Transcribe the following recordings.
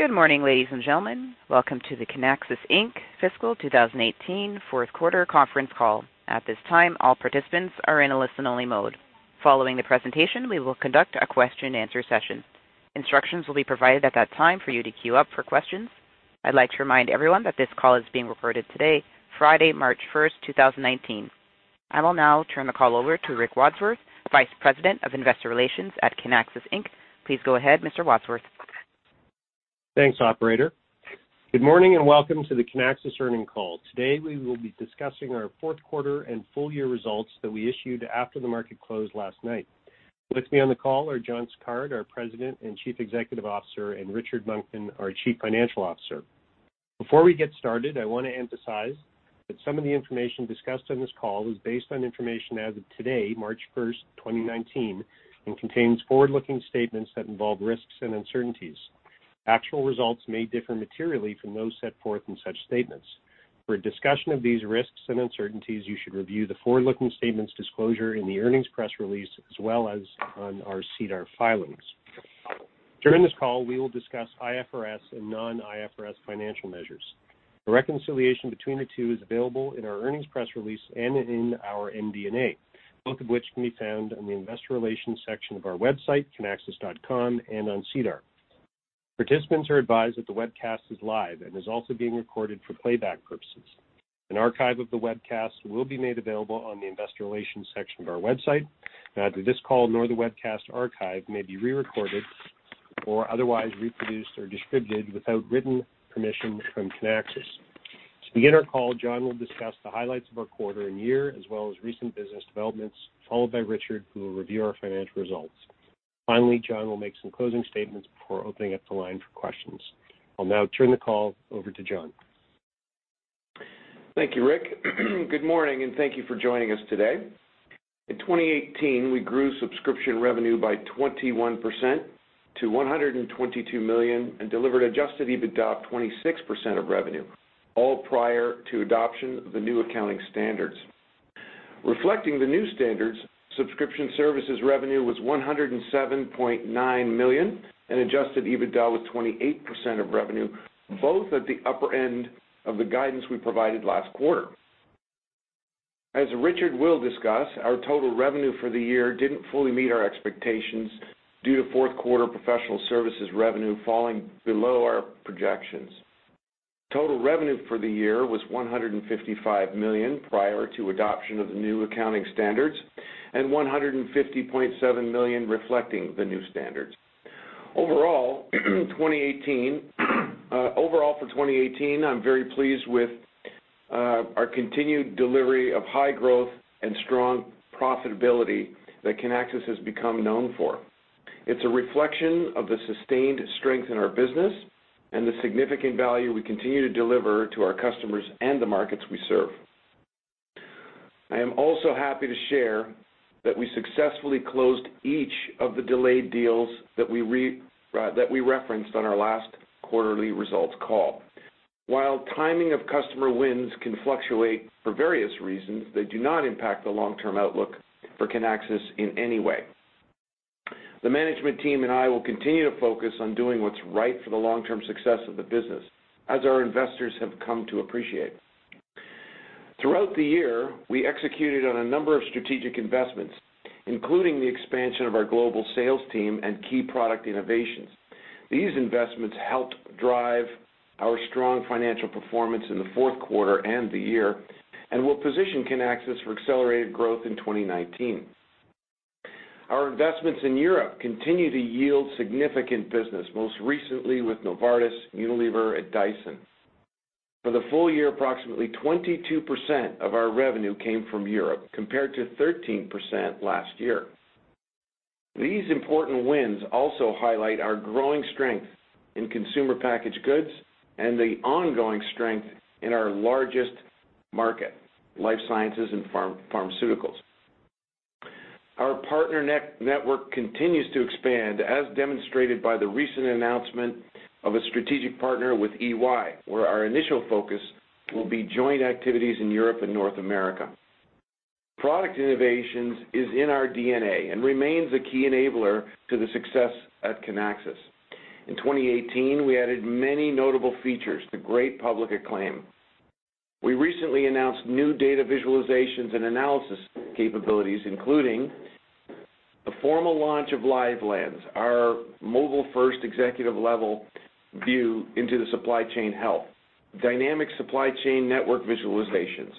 Good morning, ladies and gentlemen. Welcome to the Kinaxis Inc. fiscal 2018 fourth quarter conference call. At this time, all participants are in a listen-only mode. Following the presentation, we will conduct a question and answer session. Instructions will be provided at that time for you to queue up for questions. I'd like to remind everyone that this call is being recorded today, Friday, March 1st, 2019. I will now turn the call over to Rick Wadsworth, Vice President of Investor Relations at Kinaxis Inc. Please go ahead, Mr. Wadsworth. Thanks, operator. Good morning and welcome to the Kinaxis earnings call. Today, we will be discussing our fourth quarter and full year results that we issued after the market closed last night. With me on the call are John Sicard, our President and Chief Executive Officer, and Richard Monkman, our Chief Financial Officer. Before we get started, I want to emphasize that some of the information discussed on this call is based on information as of today, March 1st, 2019, and contains forward-looking statements that involve risks and uncertainties. Actual results may differ materially from those set forth in such statements. For a discussion of these risks and uncertainties, you should review the forward-looking statements disclosure in the earnings press release as well as on our SEDAR filings. During this call, we will discuss IFRS and non-IFRS financial measures. The reconciliation between the two is available in our earnings press release and in our MD&A, both of which can be found on the investor relations section of our website, kinaxis.com, and on SEDAR. Participants are advised that the webcast is live and is also being recorded for playback purposes. An archive of the webcast will be made available on the investor relations section of our website. Neither this call nor the webcast archive may be re-recorded or otherwise reproduced or distributed without written permission from Kinaxis. To begin our call, John will discuss the highlights of our quarter and year, as well as recent business developments, followed by Richard, who will review our financial results. Finally, John will make some closing statements before opening up the line for questions. I'll now turn the call over to John. Thank you, Rick. Good morning, and thank you for joining us today. In 2018, we grew subscription revenue by 21% to $122 million and delivered Adjusted EBITDA of 26% of revenue, all prior to adoption of the new accounting standards. Reflecting the new standards, subscription services revenue was $107.9 million and Adjusted EBITDA was 28% of revenue, both at the upper end of the guidance we provided last quarter. As Richard will discuss, our total revenue for the year didn't fully meet our expectations due to fourth quarter professional services revenue falling below our projections. Total revenue for the year was $155 million prior to adoption of the new accounting standards, and $150.7 million reflecting the new standards. Overall, for 2018, I'm very pleased with our continued delivery of high growth and strong profitability that Kinaxis has become known for. It's a reflection of the sustained strength in our business and the significant value we continue to deliver to our customers and the markets we serve. I am also happy to share that we successfully closed each of the delayed deals that we referenced on our last quarterly results call. While timing of customer wins can fluctuate for various reasons, they do not impact the long-term outlook for Kinaxis in any way. The management team and I will continue to focus on doing what's right for the long-term success of the business, as our investors have come to appreciate. Throughout the year, we executed on a number of strategic investments, including the expansion of our global sales team and key product innovations. These investments helped drive our strong financial performance in the fourth quarter and the year and will position Kinaxis for accelerated growth in 2019. Our investments in Europe continue to yield significant business, most recently with Novartis, Unilever, and Dyson. For the full year, approximately 22% of our revenue came from Europe, compared to 13% last year. These important wins also highlight our growing strength in consumer packaged goods and the ongoing strength in our largest market, life sciences and pharmaceuticals. Our partner network continues to expand, as demonstrated by the recent announcement of a strategic partner with EY, where our initial focus will be joint activities in Europe and North America. Product innovation is in our DNA and remains a key enabler to the success at Kinaxis. In 2018, we added many notable features to great public acclaim. We recently announced new data visualizations and analysis capabilities, including the formal launch of LiveLens, our mobile-first executive-level view into the supply chain health, dynamic supply chain network visualizations,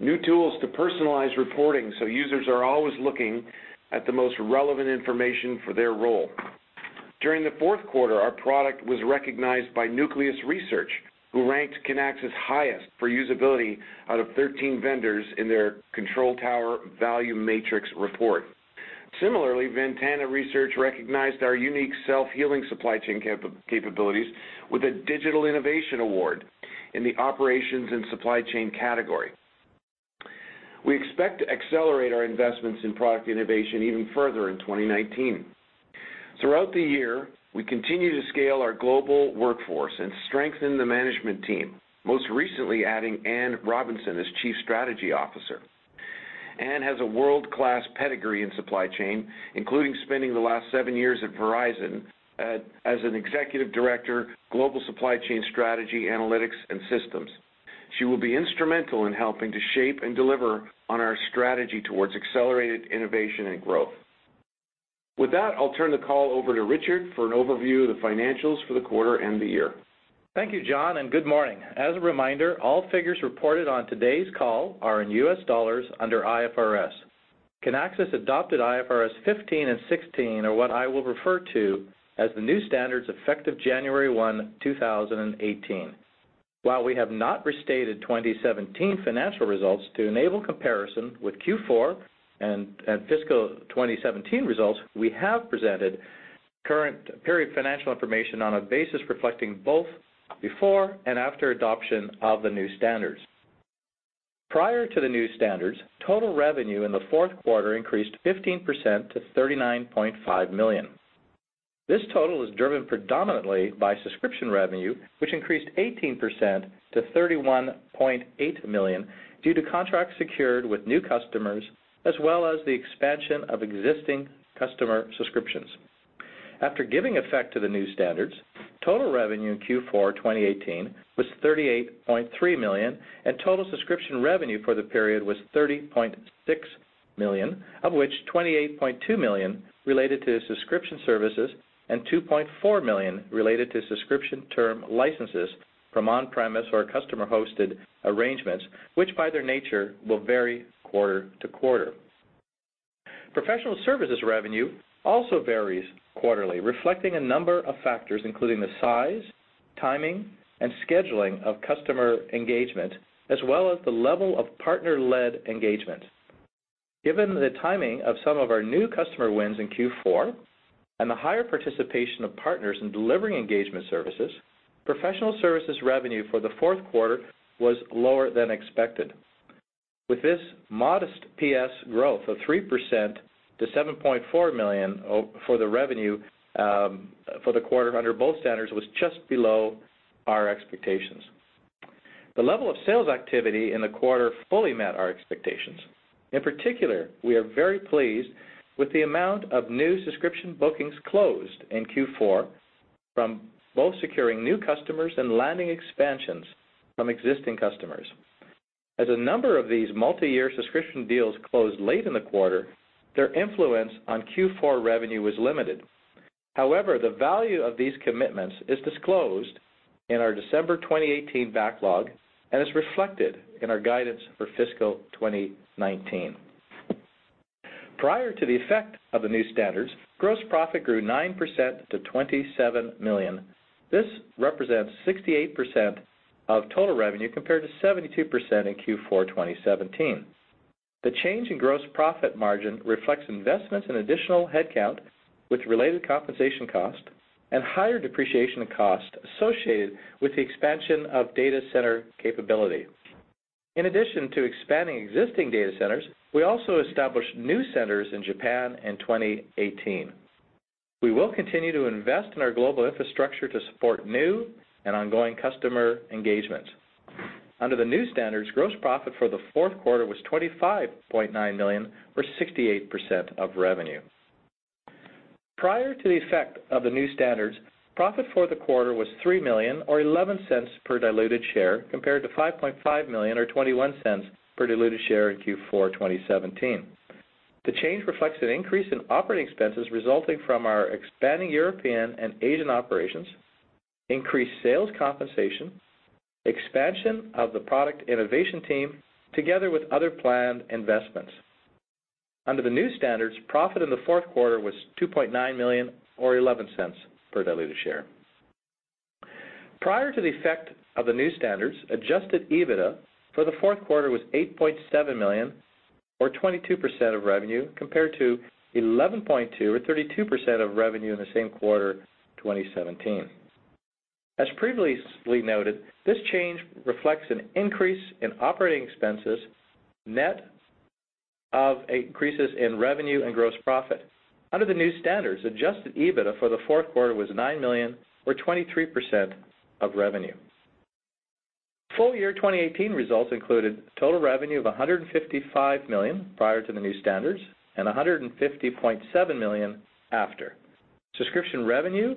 new tools to personalize reporting so users are always looking at the most relevant information for their role. During the fourth quarter, our product was recognized by Nucleus Research, who ranked Kinaxis highest for usability out of 13 vendors in their Control Tower Technology Value Matrix. Similarly, Ventana Research recognized our unique Self-Healing Supply Chain capabilities with a Digital Innovation Award in the operations and supply chain category. We expect to accelerate our investments in product innovation even further in 2019. Throughout the year, we continue to scale our global workforce and strengthen the management team, most recently adding Anne Robinson as Chief Strategy Officer. She has a world-class pedigree in supply chain, including spending the last seven years at Verizon as an executive director, Global Supply Chain Strategy, Analytics and Systems. She will be instrumental in helping to shape and deliver on our strategy towards accelerated innovation and growth. With that, I'll turn the call over to Richard for an overview of the financials for the quarter and the year. Thank you, John, and good morning. As a reminder, all figures reported on today's call are in USD under IFRS. Kinaxis adopted IFRS 15 and 16 are what I will refer to as the new standards effective January 1, 2018. While we have not restated 2017 financial results to enable comparison with Q4 and fiscal 2017 results, we have presented current period financial information on a basis reflecting both before and after adoption of the new standards. Prior to the new standards, total revenue in the fourth quarter increased 15% to $39.5 million. This total is driven predominantly by subscription revenue, which increased 18% to $31.8 million due to contracts secured with new customers, as well as the expansion of existing customer subscriptions. After giving effect to the new standards, total revenue in Q4 2018 was $38.3 million, and total subscription revenue for the period was $30.6 million, of which $28.2 million related to subscription services and $2.4 million related to subscription term licenses from on-premise or customer-hosted arrangements, which by their nature will vary quarter-over-quarter. Professional services revenue also varies quarterly, reflecting a number of factors, including the size, timing, and scheduling of customer engagement, as well as the level of partner-led engagement. Given the timing of some of our new customer wins in Q4 and the higher participation of partners in delivering engagement services, professional services revenue for the fourth quarter was lower than expected. With this modest PS growth of 3% to $7.4 million for the revenue for the quarter under both standards was just below our expectations. The level of sales activity in the quarter fully met our expectations. In particular, we are very pleased with the amount of new subscription bookings closed in Q4 from both securing new customers and landing expansions from existing customers. As a number of these multi-year subscription deals closed late in the quarter, their influence on Q4 revenue was limited. However, the value of these commitments is disclosed in our December 2018 backlog and is reflected in our guidance for fiscal 2019. Prior to the effect of the new standards, gross profit grew 9% to $27 million. This represents 68% of total revenue, compared to 72% in Q4 2017. The change in gross profit margin reflects investments in additional headcount with related compensation cost and higher depreciation cost associated with the expansion of data center capability. In addition to expanding existing data centers, we also established new centers in Japan in 2018. We will continue to invest in our global infrastructure to support new and ongoing customer engagements. Under the new standards, gross profit for the fourth quarter was $25.9 million or 68% of revenue. Prior to the effect of the new standards, profit for the quarter was $3 million or $0.11 per diluted share, compared to $5.5 million or $0.21 per diluted share in Q4 2017. The change reflects an increase in operating expenses resulting from our expanding European and Asian operations, increased sales compensation, expansion of the product innovation team, together with other planned investments. Under the new standards, profit in the fourth quarter was $2.9 million or $0.11 per diluted share. Prior to the effect of the new standards, Adjusted EBITDA for the fourth quarter was $8.7 million or 22% of revenue, compared to $11.2 million or 32% of revenue in the same quarter 2017. As previously noted, this change reflects an increase in operating expenses net of increases in revenue and gross profit. Under the new standards, Adjusted EBITDA for the fourth quarter was $9 million or 23% of revenue. Full year 2018 results included total revenue of $155 million prior to the new standards and $150.7 million after. Subscription revenue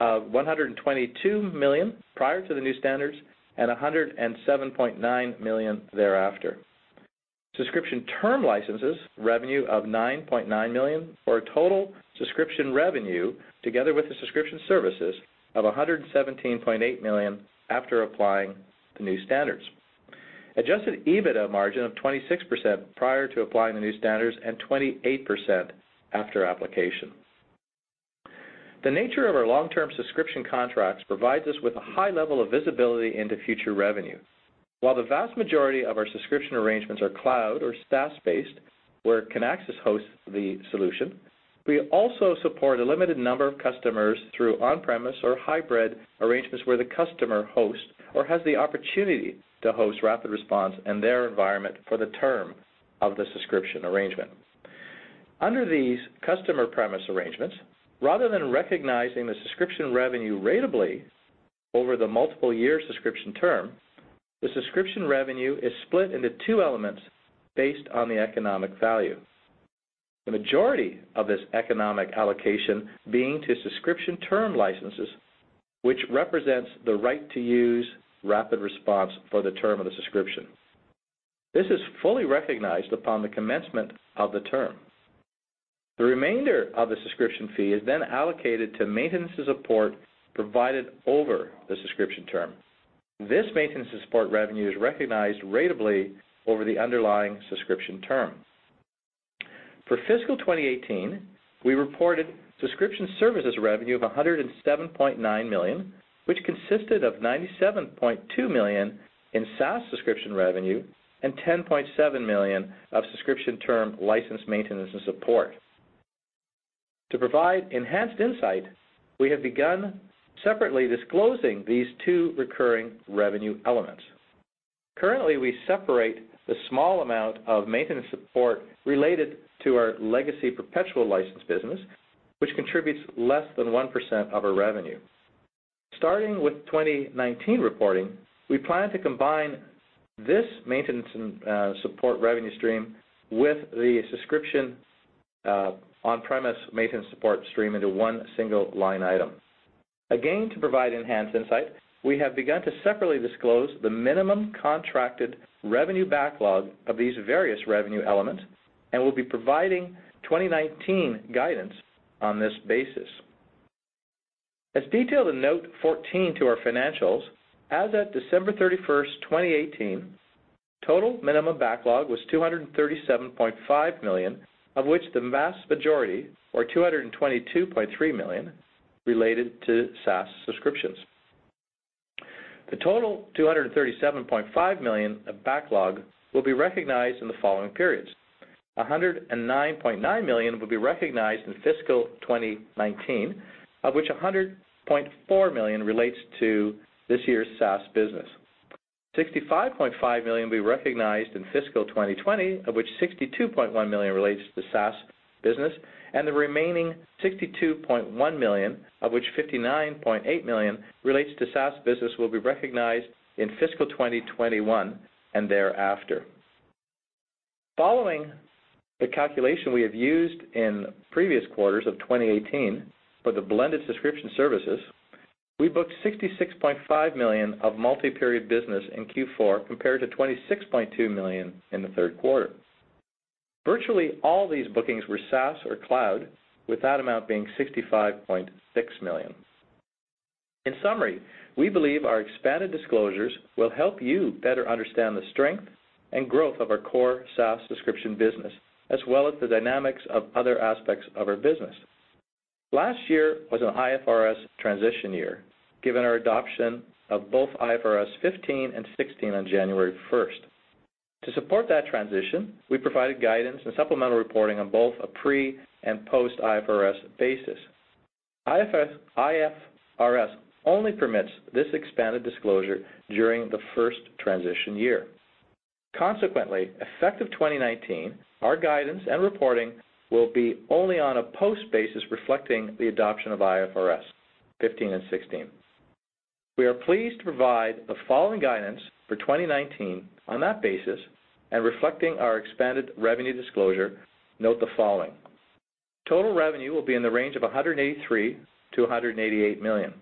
of $122 million prior to the new standards and $107.9 million thereafter. Subscription term licenses revenue of $9.9 million, or a total subscription revenue, together with the subscription services, of $117.8 million after applying the new standards. Adjusted EBITDA margin of 26% prior to applying the new standards and 28% after application. The nature of our long-term subscription contracts provides us with a high level of visibility into future revenue. While the vast majority of our subscription arrangements are cloud or SaaS-based, where Kinaxis hosts the solution, we also support a limited number of customers through on-premise or hybrid arrangements where the customer hosts or has the opportunity to host RapidResponse in their environment for the term of the subscription arrangement. Under these customer premise arrangements, rather than recognizing the subscription revenue ratably over the multiple-year subscription term, the subscription revenue is split into two elements based on the economic value. The majority of this economic allocation being to subscription term licenses, which represents the right to use RapidResponse for the term of the subscription. This is fully recognized upon the commencement of the term. The remainder of the subscription fee is then allocated to maintenance and support provided over the subscription term. This maintenance and support revenue is recognized ratably over the underlying subscription term. For fiscal 2018, we reported subscription services revenue of $107.9 million, which consisted of $97.2 million in SaaS subscription revenue and $10.7 million of subscription term license maintenance and support. To provide enhanced insight, we have begun separately disclosing these two recurring revenue elements. Currently, we separate the small amount of maintenance support related to our legacy perpetual license business, which contributes less than 1% of our revenue. Starting with 2019 reporting, we plan to combine this maintenance and support revenue stream with the subscription on-premise maintenance support stream into one single line item. To provide enhanced insight, we have begun to separately disclose the minimum contracted revenue backlog of these various revenue elements and will be providing 2019 guidance on this basis. As detailed in Note 14 to our financials, as of December 31st, 2018, total minimum backlog was $237.5 million, of which the vast majority, or $222.3 million, related to SaaS subscriptions. The total $237.5 million of backlog will be recognized in the following periods. $109.9 million will be recognized in fiscal 2019, of which $100.4 million relates to this year's SaaS business. $65.5 million will be recognized in fiscal 2020, of which $62.1 million relates to the SaaS business, and the remaining $62.1 million, of which $59.8 million relates to SaaS business, will be recognized in fiscal 2021 and thereafter. Following the calculation we have used in previous quarters of 2018 for the blended subscription services, we booked $66.5 million of multi-period business in Q4 compared to $26.2 million in the third quarter. Virtually all these bookings were SaaS or cloud, with that amount being $65.6 million. In summary, we believe our expanded disclosures will help you better understand the strength and growth of our core SaaS subscription business, as well as the dynamics of other aspects of our business. Last year was an IFRS transition year, given our adoption of both IFRS 15 and 16 on January 1st. To support that transition, we provided guidance and supplemental reporting on both a pre- and post-IFRS basis. IFRS only permits this expanded disclosure during the first transition year. Consequently, effective 2019, our guidance and reporting will be only on a post-basis reflecting the adoption of IFRS 15 and 16. We are pleased to provide the following guidance for 2019 on that basis and reflecting our expanded revenue disclosure. Note the following. Total revenue will be in the range of $183 million-$188 million.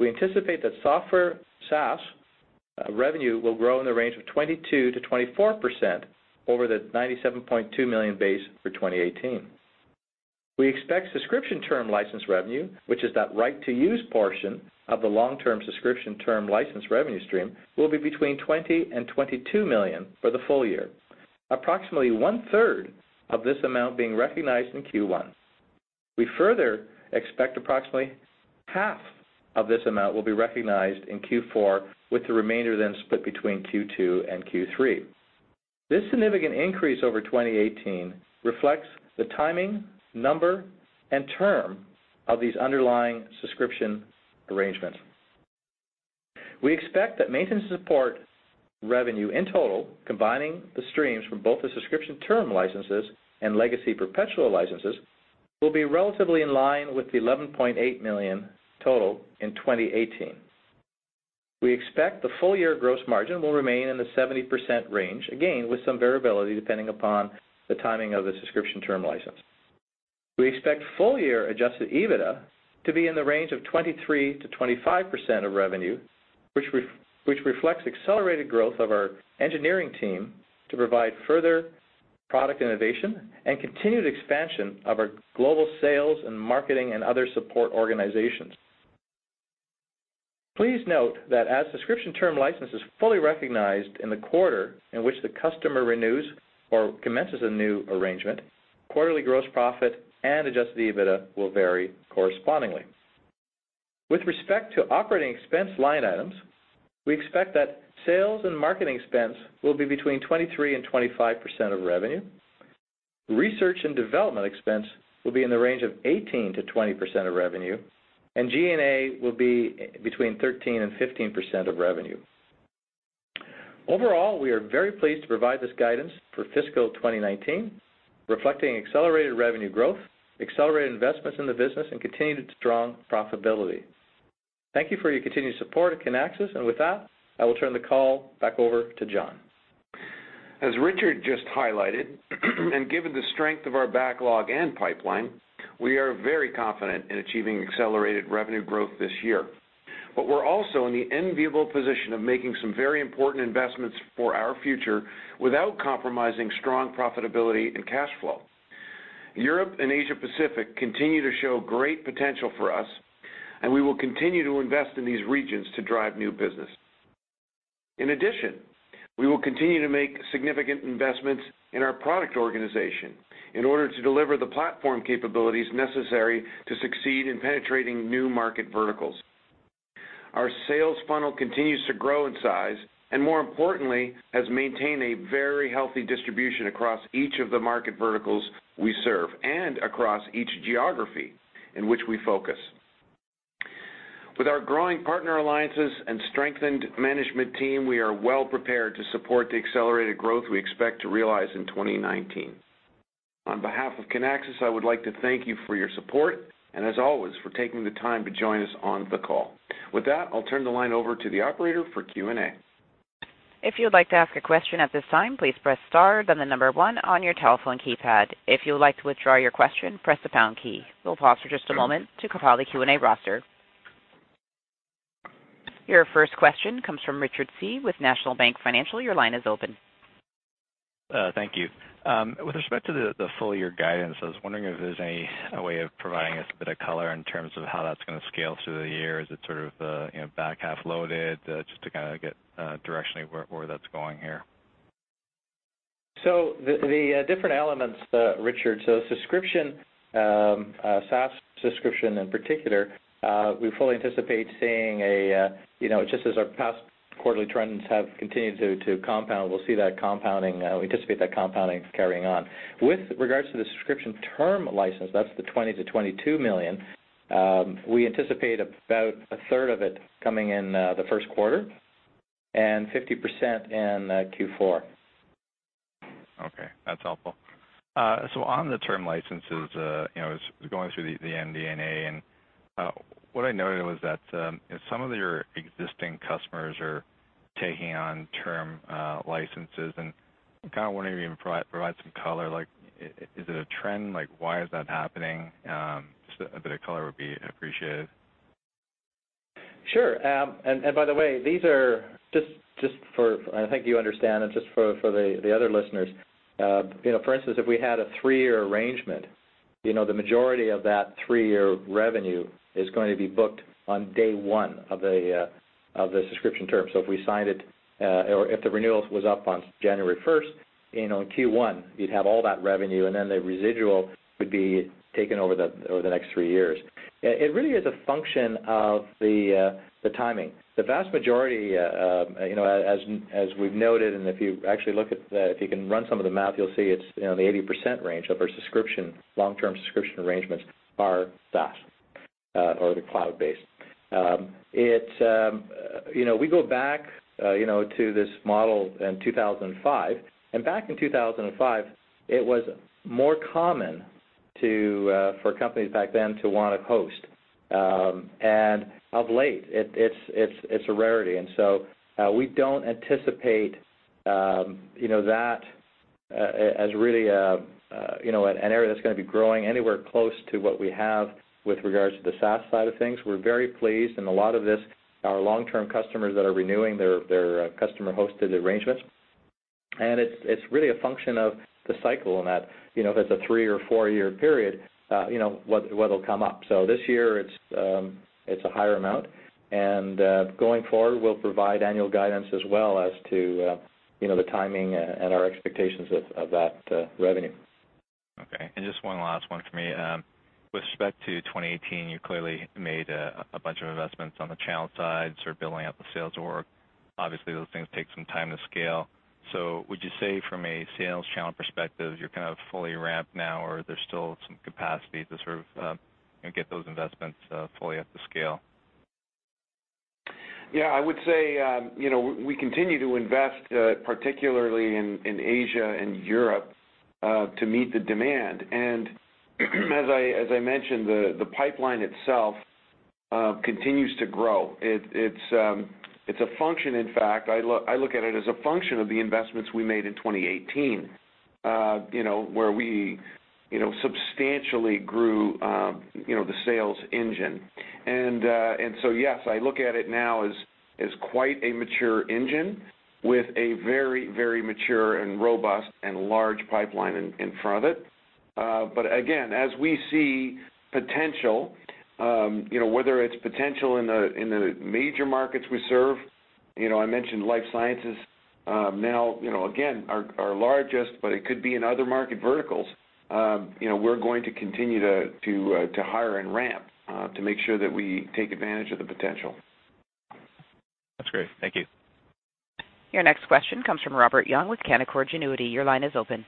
We anticipate that software SaaS revenue will grow in the range of 22%-24% over the $97.2 million base for 2018. We expect subscription term license revenue, which is that right-to-use portion of the long-term subscription term license revenue stream, will be between $20 million and $22 million for the full year, approximately one-third of this amount being recognized in Q1. We further expect approximately half of this amount will be recognized in Q4, with the remainder split between Q2 and Q3. This significant increase over 2018 reflects the timing, number, and term of these underlying subscription arrangements. We expect that maintenance and support revenue in total, combining the streams from both the subscription term licenses and legacy perpetual licenses, will be relatively in line with the $11.8 million total in 2018. We expect the full-year gross margin will remain in the 70% range, again, with some variability depending upon the timing of the subscription term license. We expect full-year Adjusted EBITDA to be in the range of 23%-25% of revenue, which reflects accelerated growth of our engineering team to provide further product innovation and continued expansion of our global sales and marketing and other support organizations. Please note that as subscription term license is fully recognized in the quarter in which the customer renews or commences a new arrangement, quarterly gross profit and Adjusted EBITDA will vary correspondingly. With respect to operating expense line items, we expect that sales and marketing expense will be between 23% and 25% of revenue, research and development expense will be in the range of 18%-20% of revenue, and G&A will be between 13% and 15% of revenue. Overall, we are very pleased to provide this guidance for fiscal 2019, reflecting accelerated revenue growth, accelerated investments in the business, and continued strong profitability. Thank you for your continued support of Kinaxis. With that, I will turn the call back over to John. Given the strength of our backlog and pipeline, we are very confident in achieving accelerated revenue growth this year. We're also in the enviable position of making some very important investments for our future without compromising strong profitability and cash flow. Europe and Asia Pacific continue to show great potential for us, we will continue to invest in these regions to drive new business. In addition, we will continue to make significant investments in our product organization in order to deliver the platform capabilities necessary to succeed in penetrating new market verticals. Our sales funnel continues to grow in size, and more importantly, has maintained a very healthy distribution across each of the market verticals we serve, and across each geography in which we focus. With our growing partner alliances and strengthened management team, we are well-prepared to support the accelerated growth we expect to realize in 2019. On behalf of Kinaxis, I would like to thank you for your support, and as always, for taking the time to join us on the call. With that, I'll turn the line over to the operator for Q&A. If you would like to ask a question at this time, please press star, then 1 on your telephone keypad. If you would like to withdraw your question, press the pound key. We'll pause for just a moment to compile the Q&A roster. Your first question comes from Richard C. with National Bank Financial. Your line is open. Thank you. With respect to the full-year guidance, I was wondering if there's a way of providing us a bit of color in terms of how that's going to scale through the year. Is it sort of back-half loaded? Just to kind of get directionally where that's going here. The different elements, Richard, subscription, SaaS subscription in particular, we fully anticipate. Just as our past quarterly trends have continued to compound, we'll see that compounding. We anticipate that compounding carrying on. With regards to the subscription term license, that's the $20 million-$22 million, we anticipate about a third of it coming in the first quarter and 50% in Q4. Okay, that's helpful. On the term licenses, I was going through the MD&A, and what I noted was that some of your existing customers are taking on term licenses, and I'm kind of wondering if you can provide some color, like is it a trend? Why is that happening? Just a bit of color would be appreciated. Sure. By the way, these are just for, I think you understand, and just for the other listeners. For instance, if we had a three-year arrangement, the majority of that three-year revenue is going to be booked on day one of the subscription term. If we signed it or if the renewal was up on January 1st, in Q1, you'd have all that revenue, and then the residual would be taken over the next three years. It really is a function of the timing. The vast majority, as we've noted, and if you actually. If you can run some of the math, you'll see it's the 80% range of our subscription, long-term subscription arrangements are SaaS or the cloud-based. We go back to this model in 2005, and back in 2005, it was more common for companies back then to want to host. Of late, it's a rarity. We don't anticipate that as really an area that's going to be growing anywhere close to what we have with regards to the SaaS side of things. We're very pleased, and a lot of this, our long-term customers that are renewing their customer-hosted arrangements, and it's really a function of the cycle in that, if it's a three-year or four-year period, what'll come up. This year, it's a higher amount, and going forward, we'll provide annual guidance as well as to the timing and our expectations of that revenue. Okay, just one last one for me. With respect to 2018, you clearly made a bunch of investments on the channel side, sort of building out the sales org. Obviously, those things take some time to scale. Would you say from a sales channel perspective, you're kind of fully ramped now, or there's still some capacity to sort of get those investments fully up to scale? Yeah, I would say we continue to invest, particularly in Asia and Europe, to meet the demand. As I mentioned, the pipeline itself continues to grow. It's a function, in fact, I look at it as a function of the investments we made in 2018, where we substantially grew the sales engine. Yes, I look at it now as quite a mature engine with a very mature and robust and large pipeline in front of it. Again, as we see potential, whether it's potential in the major markets we serve, I mentioned life sciences now, again, our largest, but it could be in other market verticals. We're going to continue to hire and ramp to make sure that we take advantage of the potential. That's great. Thank you. Your next question comes from Robert Young with Canaccord Genuity. Your line is open.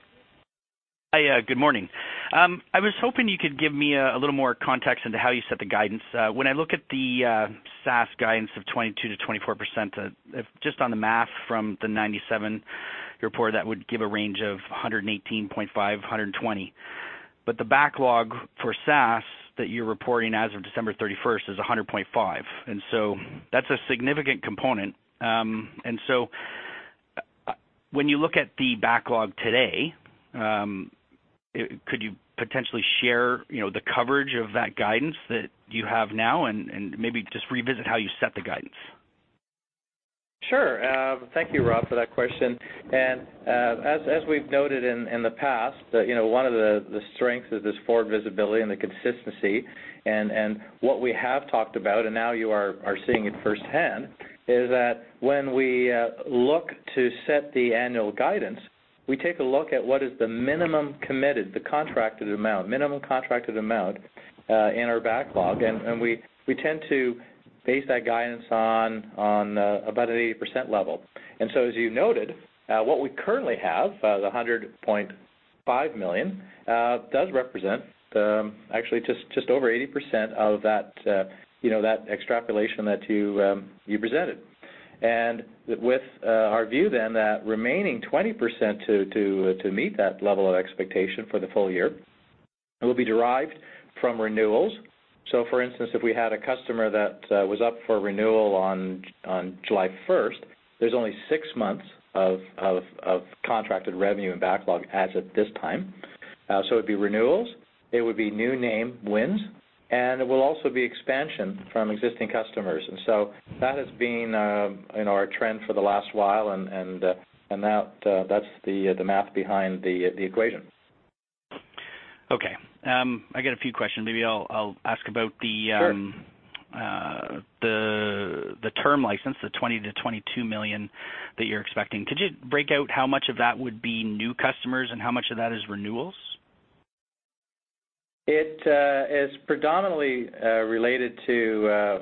Hi, good morning. I was hoping you could give me a little more context into how you set the guidance. When I look at the SaaS guidance of 22%-24%, just on the math from the '97 report, that would give a range of $118.5-$120. The backlog for SaaS that you're reporting as of December 31st is $100.5, that's a significant component. When you look at the backlog today, could you potentially share the coverage of that guidance that you have now and maybe just revisit how you set the guidance? Sure. Thank you, Rob, for that question. As we've noted in the past, one of the strengths is this forward visibility and the consistency. What we have talked about, and now you are seeing it firsthand, is that when we look to set the annual guidance, we take a look at what is the minimum committed, minimum contracted amount, in our backlog. We tend to base that guidance on about an 80% level. As you noted, what we currently have, the $100.5 million, does represent actually just over 80% of that extrapolation that you presented. With our view, that remaining 20% to meet that level of expectation for the full year will be derived from renewals. For instance, if we had a customer that was up for renewal on July 1st, there's only six months of contracted revenue and backlog as of this time. It'd be renewals, it would be new name wins, and it will also be expansion from existing customers. That has been our trend for the last while, that's the math behind the equation. Okay. I got a few questions. Sure the term license, the $20 million-$22 million that you're expecting. Could you break out how much of that would be new customers and how much of that is renewals? It is predominantly related to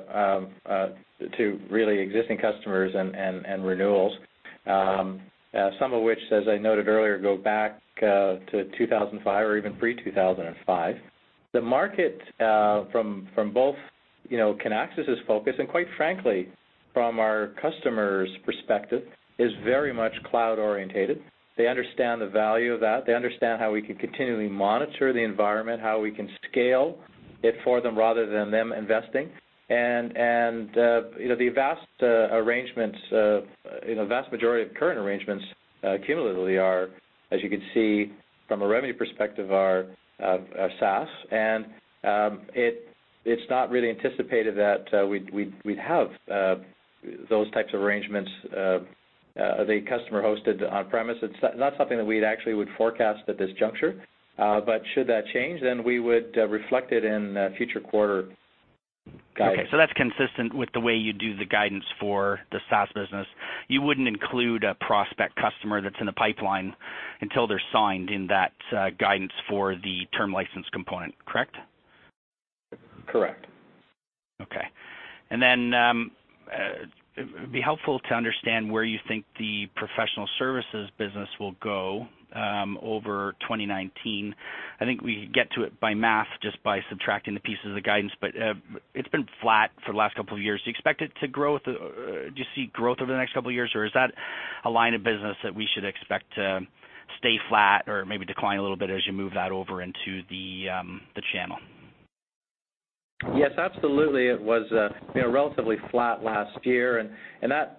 really existing customers and renewals, some of which, as I noted earlier, go back to 2005 or even pre-2005. The market from both Kinaxis' focus and quite frankly from our customers' perspective, is very much cloud-orientated. They understand the value of that. They understand how we can continually monitor the environment, how we can scale it for them rather than them investing. The vast majority of current arrangements cumulatively are, as you can see from a revenue perspective, are SaaS. It's not really anticipated that we'd have those types of arrangements, the customer-hosted on-premise. It's not something that we'd actually would forecast at this juncture. Should that change, then we would reflect it in a future quarter guidance. Okay, that's consistent with the way you do the guidance for the SaaS business. You wouldn't include a prospect customer that's in the pipeline until they're signed in that guidance for the term license component, correct? Correct. Okay. It'd be helpful to understand where you think the professional services business will go over 2019. I think we could get to it by math just by subtracting the pieces of the guidance, but it's been flat for the last couple of years. Do you expect it to grow? Do you see growth over the next couple of years, or is that a line of business that we should expect to stay flat or maybe decline a little bit as you move that over into the channel? Yes, absolutely. It was relatively flat last year, and that,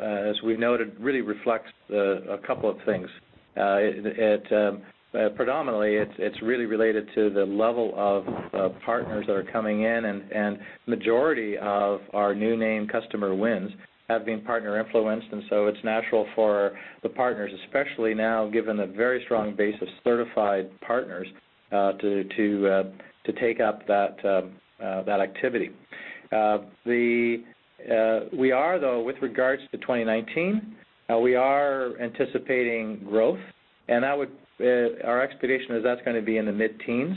as we noted, really reflects a couple of things. Predominantly, it's really related to the level of partners that are coming in, and the majority of our new name customer wins have been partner-influenced, and so it's natural for the partners, especially now given the very strong base of certified partners, to take up that activity. We are, though, with regards to 2019, we are anticipating growth, and our expectation is that's going to be in the mid-teens.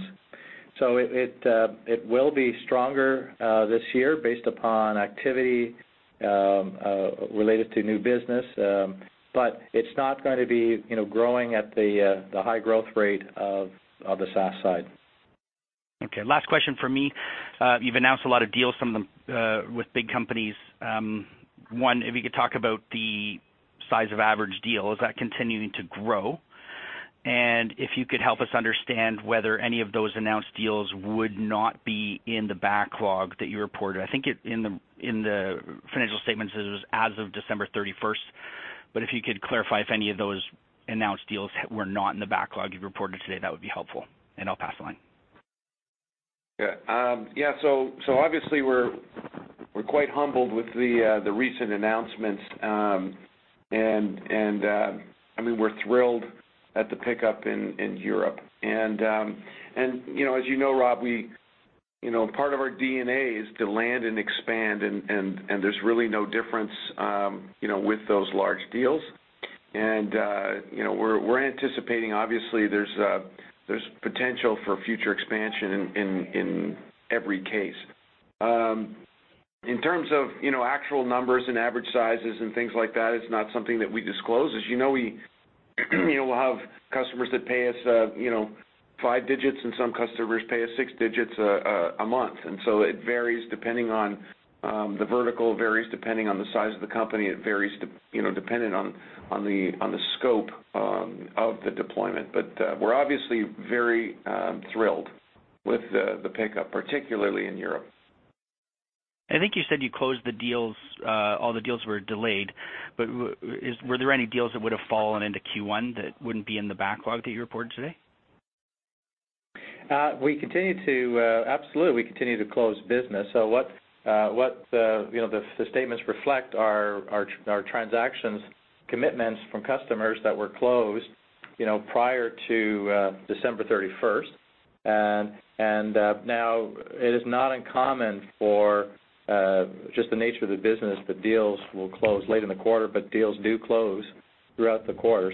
It will be stronger this year based upon activity related to new business, but it's not going to be growing at the high growth rate of the SaaS side. Okay, last question from me. You've announced a lot of deals, some of them with big companies. One, if you could talk about the size of average deal. Is that continuing to grow? If you could help us understand whether any of those announced deals would not be in the backlog that you reported. I think in the financial statements, it was as of December 31st, but if you could clarify if any of those announced deals were not in the backlog you've reported today, that would be helpful. I'll pass the line. Yeah. Obviously, we're quite humbled with the recent announcements. We're thrilled at the pickup in Europe. As you know, Rob, part of our DNA is to land and expand, and there's really no difference with those large deals. We're anticipating, obviously, there's potential for future expansion in every case. In terms of actual numbers and average sizes and things like that, it's not something that we disclose. As you know, we'll have customers that pay us five digits and some customers pay us six digits a month. It varies depending on the vertical, varies depending on the size of the company, it varies depending on the scope of the deployment. We're obviously very thrilled with the pickup, particularly in Europe. I think you said you closed the deals, all the deals were delayed, but were there any deals that would've fallen into Q1 that wouldn't be in the backlog that you reported today? Absolutely. We continue to close business. What the statements reflect are our transactions commitments from customers that were closed prior to December 31st. Now it is not uncommon for just the nature of the business that deals will close late in the quarter, but deals do close throughout the quarter.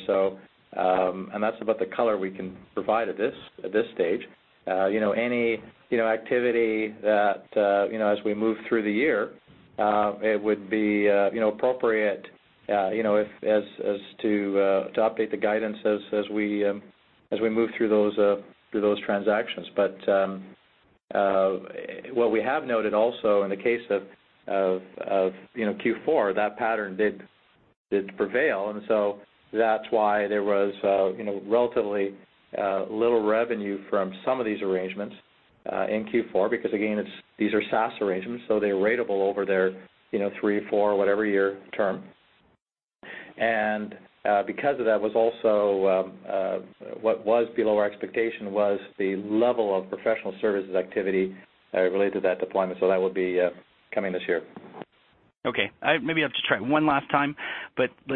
That's about the color we can provide at this stage. Any activity that, as we move through the year, it would be appropriate as to update the guidance as we move through those transactions. What we have noted also in the case of Q4, that pattern did prevail, and so that's why there was relatively little revenue from some of these arrangements in Q4 because, again, these are SaaS arrangements, so they're ratable over their three, four, whatever year term. Because of that was also what was below our expectation was the level of professional services activity related to that deployment, that will be coming this year. Okay. Maybe I have to try one last time,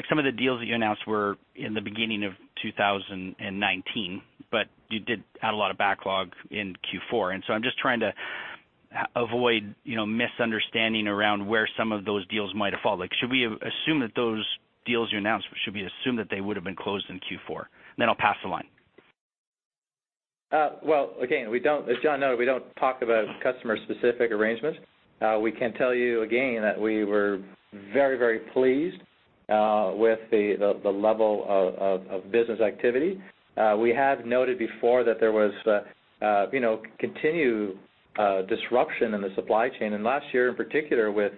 some of the deals that you announced were in the beginning of 2019, you did add a lot of backlog in Q4, I'm just trying to avoid misunderstanding around where some of those deals might have fallen. Should we assume that those deals you announced, should we assume that they would've been closed in Q4? I'll pass the line. Well, again, as John noted, we don't talk about customer-specific arrangements. We can tell you again that we were very pleased with the level of business activity. We have noted before that there was continued disruption in the supply chain, and last year in particular with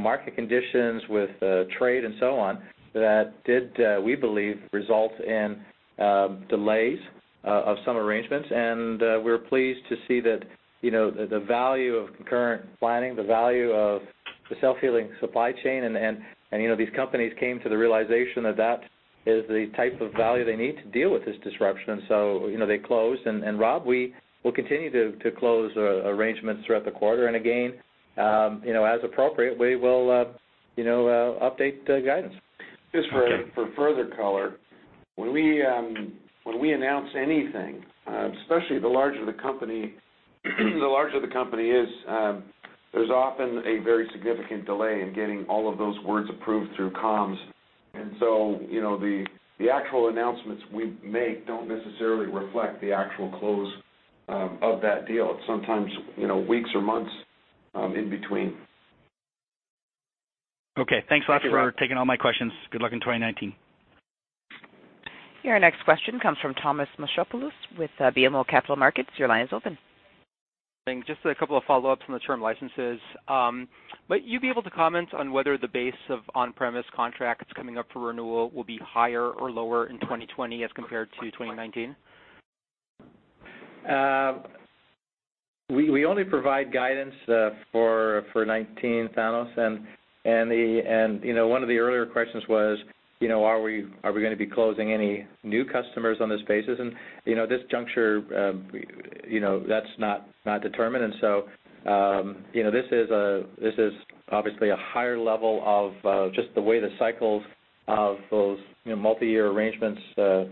market conditions, with trade and so on, that did, we believe, result in delays of some arrangements. We're pleased to see that the value of concurrent planning, the value of the Self-Healing Supply Chain, these companies came to the realization that that is the type of value they need to deal with this disruption. They closed, Rob, we will continue to close arrangements throughout the quarter. Again, as appropriate, we will update the guidance. Just for further color, when we announce anything, especially the larger the company is, there's often a very significant delay in getting all of those words approved through comms. So the actual announcements we make don't necessarily reflect the actual close of that deal. It's sometimes weeks or months in between. Okay. Thanks a lot- Thank you, Rob. for taking all my questions. Good luck in 2019. Your next question comes from Thanos Moschopoulos with BMO Capital Markets. Your line is open. Thanks. Just a couple of follow-ups on the term licenses. Might you be able to comment on whether the base of on-premise contracts coming up for renewal will be higher or lower in 2020 as compared to 2019? We only provide guidance for 2019, Thanos, one of the earlier questions was, are we going to be closing any new customers on this basis? This juncture, that's not determined, this is obviously a higher level of just the way the cycles of those multi-year arrangements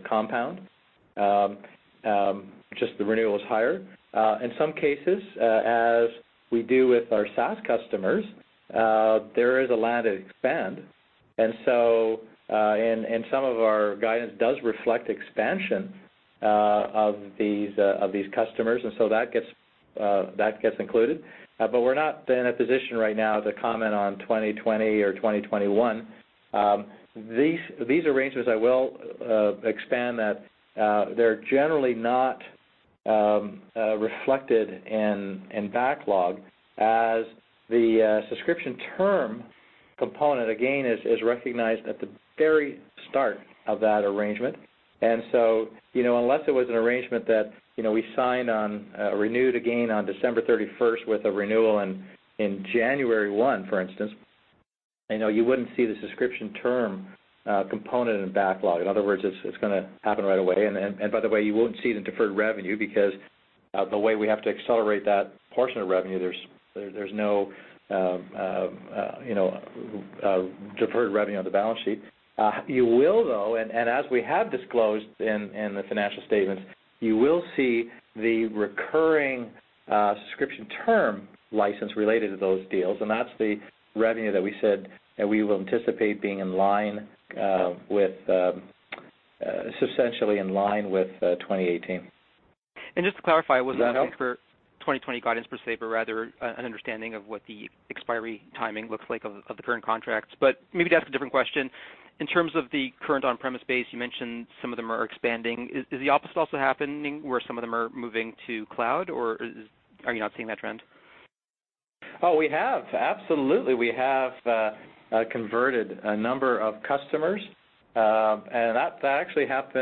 compound. Just the renewal is higher. In some cases, as we do with our SaaS customers, there is a lot of expand. Some of our guidance does reflect expansion of these customers, that gets included. We're not in a position right now to comment on 2020 or 2021. These arrangements, I will expand that they're generally not reflected in backlog as the subscription term component, again, is recognized at the very start of that arrangement. Unless it was an arrangement that we signed on, renewed again on December 31st with a renewal in January 1, for instance, you wouldn't see the subscription term component in backlog. In other words, it's going to happen right away. By the way, you won't see the deferred revenue because of the way we have to accelerate that portion of revenue, there's no deferred revenue on the balance sheet. You will, though, as we have disclosed in the financial statements, you will see the recurring subscription term license related to those deals, that's the revenue that we said that we will anticipate being substantially in line with 2018. Just to clarify, I wasn't looking for 2020 guidance per se, rather, an understanding of what the expiry timing looks like of the current contracts. Maybe to ask a different question, in terms of the current on-premise base, you mentioned some of them are expanding. Is the opposite also happening, where some of them are moving to cloud, or are you not seeing that trend? We have. Absolutely. We have converted a number of customers. We had a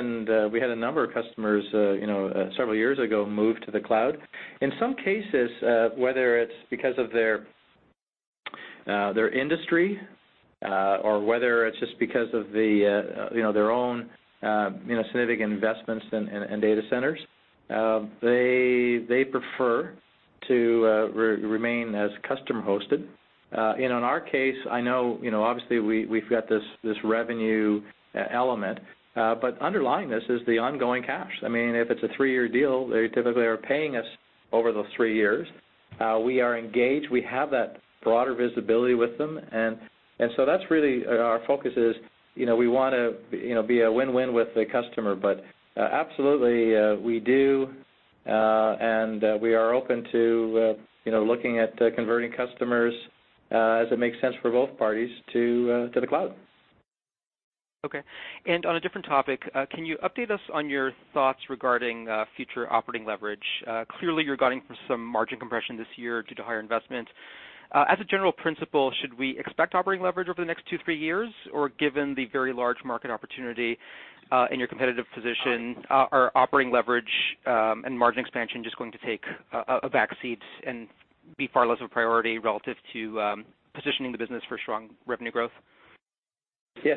number of customers, several years ago, move to the cloud. In some cases, whether it's because of their industry, or whether it's just because of their own significant investments in data centers, they prefer to remain as customer-hosted. In our case, I know, obviously, we've got this revenue element. Underlying this is the ongoing cash. If it's a three-year deal, they typically are paying us over those three years. We are engaged. We have that broader visibility with them. That's really our focus is, we want to be a win-win with the customer. Absolutely, we do, and we are open to looking at converting customers, as it makes sense for both parties, to the cloud. Okay. On a different topic, can you update us on your thoughts regarding future operating leverage? Clearly, you're guarding for some margin compression this year due to higher investment. As a general principle, should we expect operating leverage over the next two, three years? Given the very large market opportunity and your competitive position, are operating leverage and margin expansion just going to take a back seat and be far less of a priority relative to positioning the business for strong revenue growth? Yeah.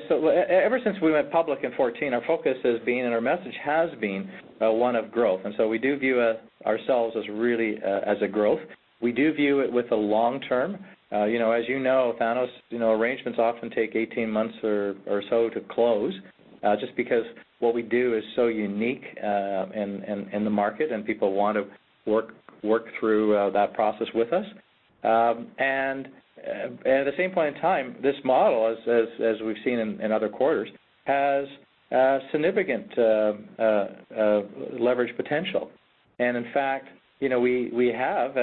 Ever since we went public in 2014, our focus has been, and our message has been, one of growth. We do view ourselves as really a growth. We do view it with the long term. As you know, Thanos, arrangements often take 18 months or so to close, just because what we do is so unique in the market, and people want to work through that process with us. At the same point in time, this model, as we've seen in other quarters, has significant leverage potential. In fact, we have,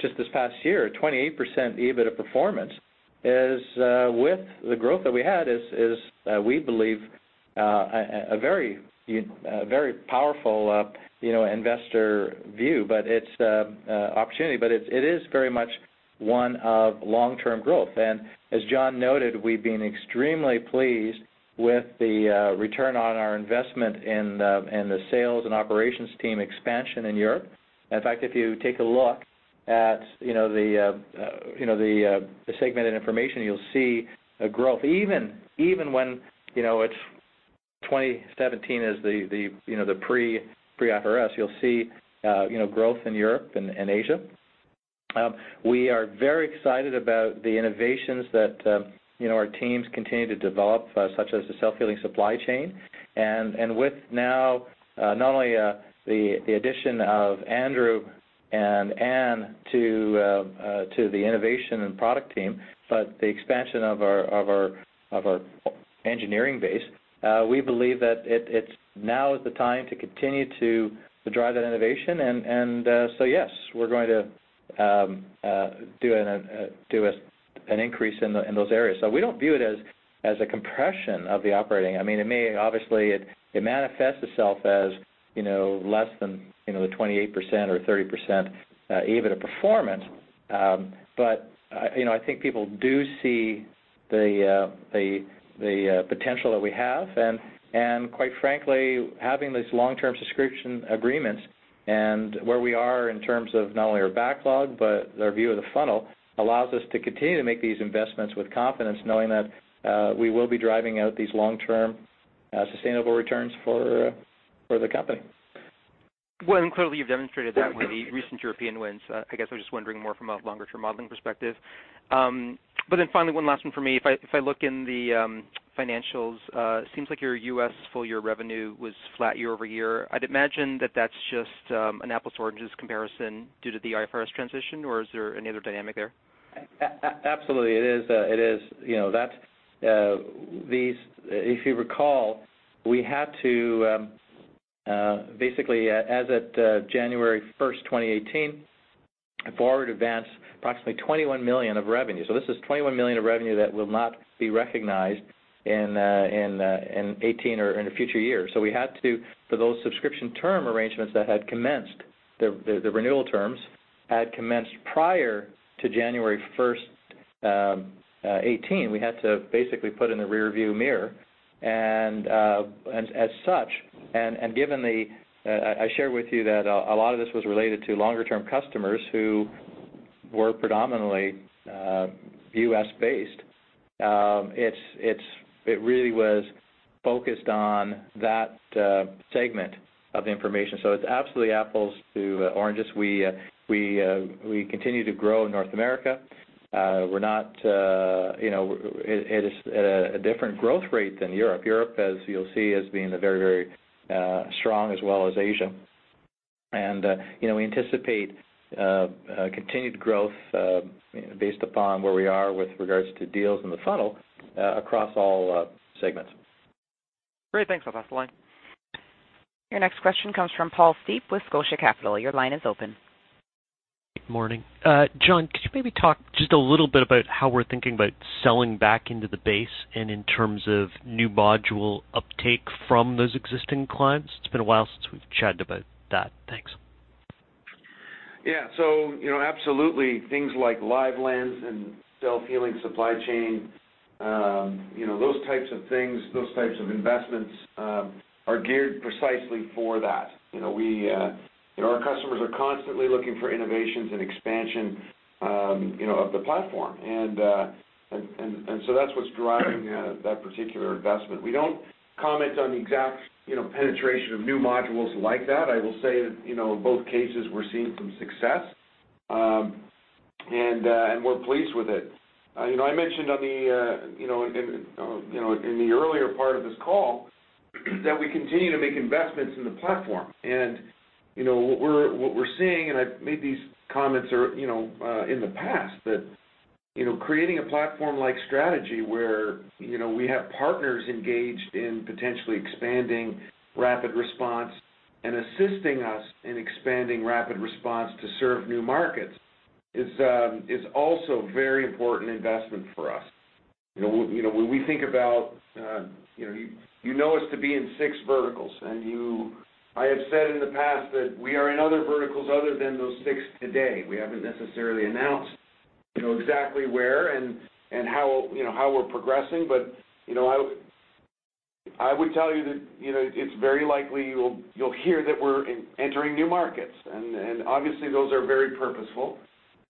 just this past year, a 28% EBIT of performance with the growth that we had is, we believe, a very powerful investor view, but it's opportunity. It is very much one of long-term growth. As John noted, we've been extremely pleased with the return on our investment in the sales and operations team expansion in Europe. In fact, if you take a look at the segmented information, you'll see a growth, even when 2017 is the pre-IFRS. You'll see growth in Europe and Asia. We are very excited about the innovations that our teams continue to develop, such as the Self-Healing Supply Chain. With now not only the addition of Andrew and Anne to the innovation and product team, but the expansion of our engineering base, we believe that now is the time to continue to drive that innovation. Yes, we're going to do an increase in those areas. We don't view it as a compression of the operating. Obviously, it manifests itself as less than the 28% or 30% EBIT of performance. I think people do see the potential that we have, and quite frankly, having these long-term subscription agreements and where we are in terms of not only our backlog, but our view of the funnel, allows us to continue to make these investments with confidence, knowing that we will be driving out these long-term sustainable returns for the company. Clearly, you've demonstrated that with the recent European wins. I guess I was just wondering more from a longer-term modeling perspective. Finally, one last one for me. If I look in the financials, it seems like your U.S. full-year revenue was flat year-over-year. I'd imagine that that's just an apples to oranges comparison due to the IFRS transition, or is there any other dynamic there? Absolutely, it is. If you recall, we had to basically, as of January 1st, 2018, forward advance approximately $21 million of revenue. This is $21 million of revenue that will not be recognized in 2018 or in the future years. We had to, for those subscription term arrangements that had commenced, the renewal terms had commenced prior to January 1st, 2018. We had to basically put in the rear view mirror. I shared with you that a lot of this was related to longer-term customers who were predominantly U.S.-based. It really was focused on that segment of information. It's absolutely apples to oranges. We continue to grow in North America. We're not at a different growth rate than Europe. Europe, as you'll see, as being very strong, as well as Asia. We anticipate continued growth based upon where we are with regards to deals in the funnel across all segments. Great. Thanks. I'll pass the line. Your next question comes from Paul Steep with Scotia Capital. Your line is open. Good morning. John, could you maybe talk just a little bit about how we're thinking about selling back into the base and in terms of new module uptake from those existing clients? It's been a while since we've chatted about that. Thanks. Absolutely, things like Live Lens and Self-Healing Supply Chain, those types of things, those types of investments, are geared precisely for that. Our customers are constantly looking for innovations and expansion of the platform. That's what's driving that particular investment. We don't comment on the exact penetration of new modules like that. I will say that, in both cases, we're seeing some success, and we're pleased with it. I mentioned in the earlier part of this call that we continue to make investments in the platform. What we're seeing, and I've made these comments in the past, that creating a platform-like strategy where we have partners engaged in potentially expanding RapidResponse and assisting us in expanding RapidResponse to serve new markets is also a very important investment for us. You know us to be in six verticals, I have said in the past that we are in other verticals other than those six today. We haven't necessarily announced exactly where and how we're progressing, I would tell you that it's very likely you'll hear that we're entering new markets, obviously, those are very purposeful.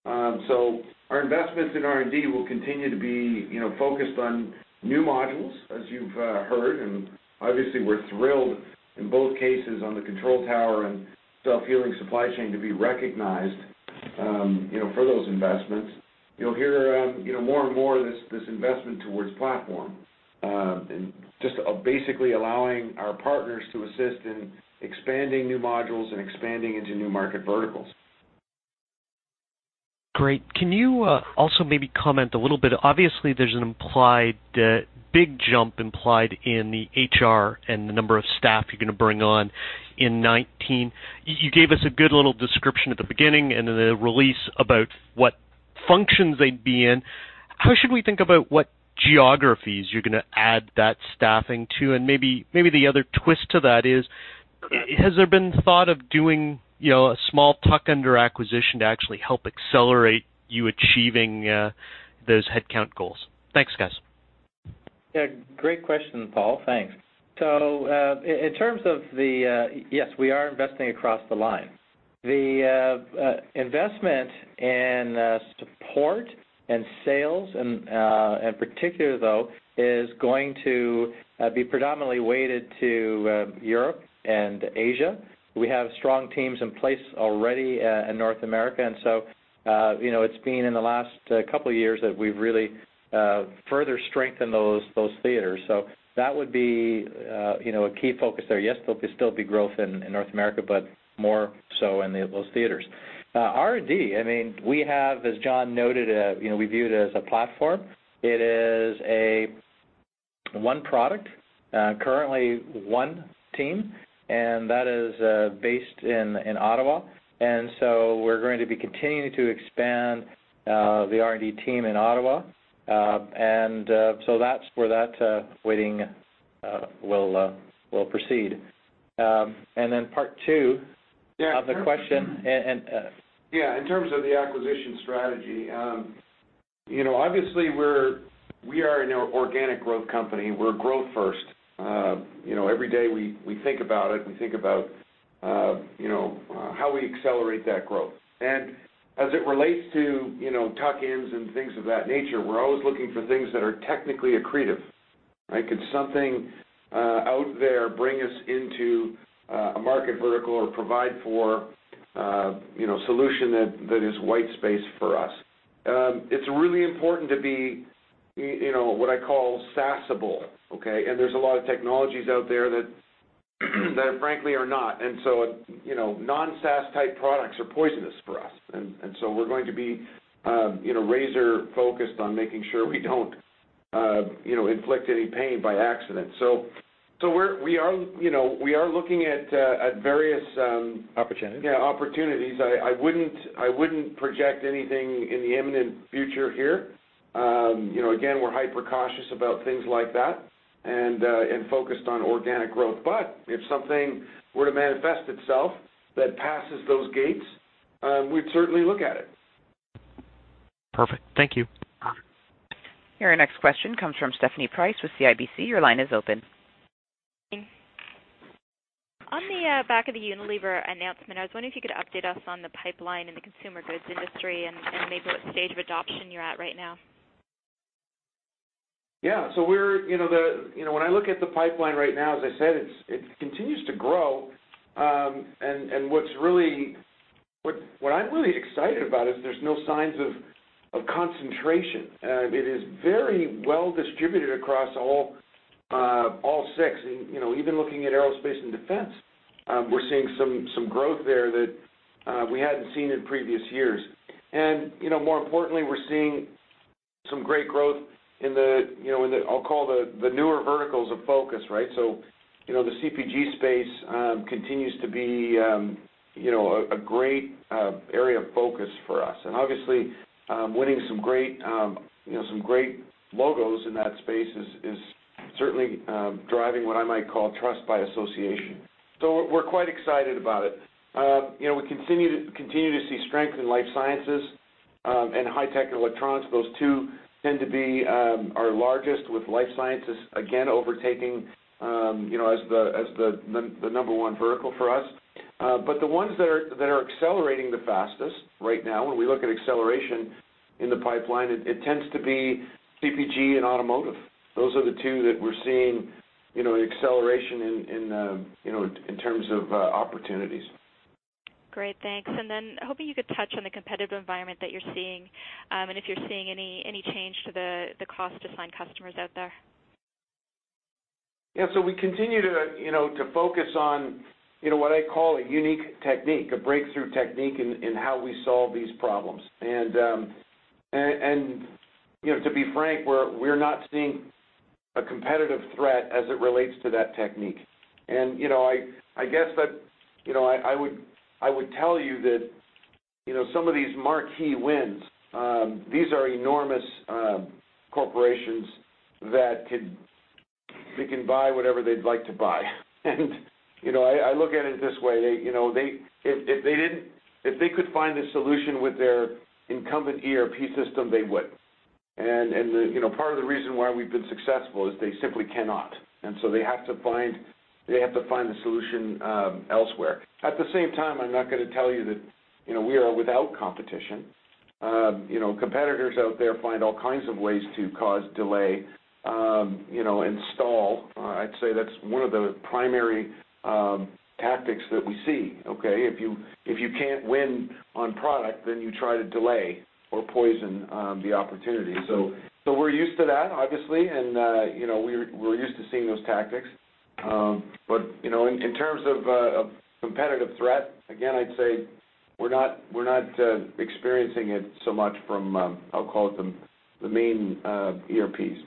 Our investments in R&D will continue to be focused on new modules, as you've heard, obviously, we're thrilled in both cases on the Control Tower and Self-Healing Supply Chain to be recognized for those investments. You'll hear more and more this investment towards platform, just basically allowing our partners to assist in expanding new modules and expanding into new market verticals. Great. Can you also maybe comment a little bit? Obviously, there's a big jump implied in the HR and the number of staff you're going to bring on in 2019. You gave us a good little description at the beginning and in the release about what functions they'd be in. How should we think about what geographies you're going to add that staffing to? Maybe the other twist to that is, has there been thought of doing a small tuck-under acquisition to actually help accelerate you achieving those headcount goals? Thanks, guys. Great question, Paul. Thanks. Yes, we are investing across the line. The investment in support and sales in particular, though, is going to be predominantly weighted to Europe and Asia. We have strong teams in place already in North America, it's been in the last couple of years that we've really further strengthened those theaters. That would be a key focus there. Yes, there'll still be growth in North America, more so in those theaters. R&D, we have, as John noted, we view it as a platform. It is one product, currently one team, and that is based in Ottawa. We're going to be continuing to expand the R&D team in Ottawa. That's where that weighting will proceed. Part two of the question and- Yeah, in terms of the acquisition strategy, obviously, we are an organic growth company. We're growth first. Every day we think about it, we think about how we accelerate that growth. As it relates to tuck-ins and things of that nature, we're always looking for things that are technically accretive. Could something out there bring us into a market vertical or provide for a solution that is white space for us? It's really important to be, what I call, SaaS-able, okay? There's a lot of technologies out there that, frankly, are not. Non-SaaS type products are poisonous for us. We're going to be razor-focused on making sure we don't inflict any pain by accident. We are looking at various- Opportunities yeah, opportunities. I wouldn't project anything in the imminent future here. Again, we're hyper-cautious about things like that and focused on organic growth. If something were to manifest itself that passes those gates, we'd certainly look at it. Perfect. Thank you. Your next question comes from Stephanie Price with CIBC. Your line is open. Thanks. On the back of the Unilever announcement, I was wondering if you could update us on the pipeline in the consumer goods industry and maybe what stage of adoption you're at right now. Yeah. When I look at the pipeline right now, as I said, it continues to grow. What I'm really excited about is there's no signs of concentration. It is very well distributed across all six. Even looking at aerospace and defense, we're seeing some growth there that we hadn't seen in previous years. More importantly, we're seeing some great growth in the, I'll call the newer verticals of focus, right? The CPG space continues to be a great area of focus for us. Obviously, winning some great logos in that space is certainly driving what I might call trust by association. We're quite excited about it. We continue to see strength in life sciences and high tech electronics. Those two tend to be our largest, with life sciences, again, overtaking as the number 1 vertical for us. The ones that are accelerating the fastest right now, when we look at acceleration in the pipeline, it tends to be CPG and automotive. Those are the two that we're seeing acceleration in terms of opportunities. Great. Thanks. Hoping you could touch on the competitive environment that you're seeing, and if you're seeing any change to the cost to sign customers out there. Yeah. We continue to focus on what I call a unique technique, a breakthrough technique in how we solve these problems. To be frank, we're not seeing a competitive threat as it relates to that technique. I guess that I would tell you that some of these marquee wins, these are enormous corporations that can buy whatever they'd like to buy. I look at it this way, if they could find a solution with their incumbent ERP system, they would. Part of the reason why we've been successful is they simply cannot. They have to find the solution elsewhere. At the same time, I'm not going to tell you that we are without competition. Competitors out there find all kinds of ways to cause delay and stall. I'd say that's one of the primary tactics that we see, okay? If you can't win on product, you try to delay or poison the opportunity. We're used to that, obviously, and we're used to seeing those tactics. In terms of competitive threat, again, I'd say we're not experiencing it so much from, I'll call it the main ERPs.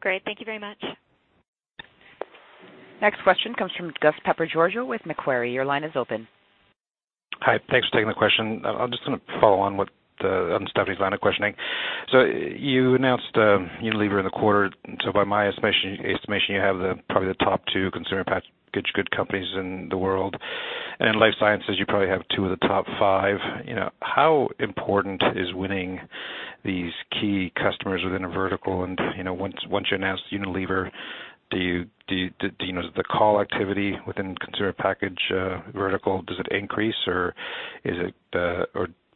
Great. Thank you very much. Next question comes from Gus Papageorgiou with Macquarie. Your line is open. Hi. Thanks for taking the question. I'm just going to follow on with Stephanie's line of questioning. You announced Unilever in the quarter. By my estimation, you have probably the top two consumer packaged good companies in the world. In life sciences, you probably have two of the top five. How important is winning these key customers within a vertical? Once you announce Unilever, the call activity within consumer package vertical, does it increase or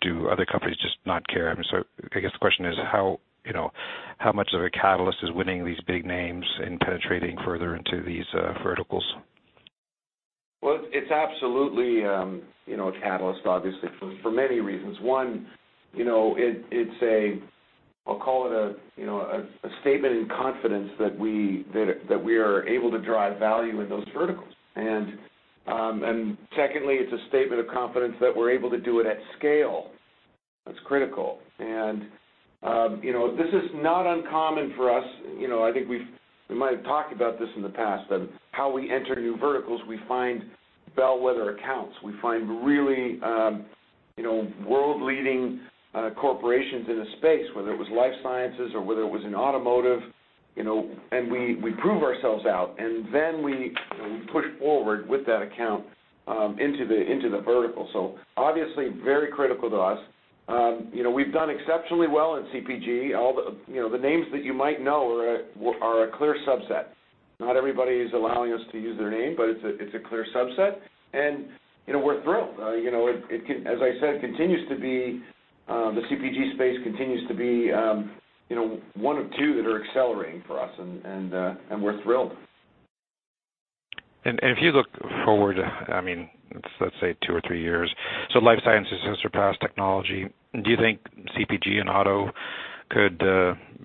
do other companies just not care? I guess the question is, how much of a catalyst is winning these big names and penetrating further into these verticals? Well, it's absolutely a catalyst, obviously, for many reasons. One, it's a, I'll call it a statement in confidence that we are able to drive value in those verticals. Secondly, it's a statement of confidence that we're able to do it at scale. That's critical. This is not uncommon for us. I think we might have talked about this in the past, but how we enter new verticals, we find bellwether accounts. We find really world-leading corporations in a space, whether it was life sciences or whether it was in automotive, and we prove ourselves out, and then we push forward with that account into the vertical. Obviously, very critical to us. We've done exceptionally well in CPG. The names that you might know are a clear subset. Not everybody is allowing us to use their name, but it's a clear subset, and we're thrilled. As I said, the CPG space continues to be one of two that are accelerating for us, and we're thrilled. If you look forward, let's say two or three years, life sciences has surpassed technology. Do you think CPG and auto could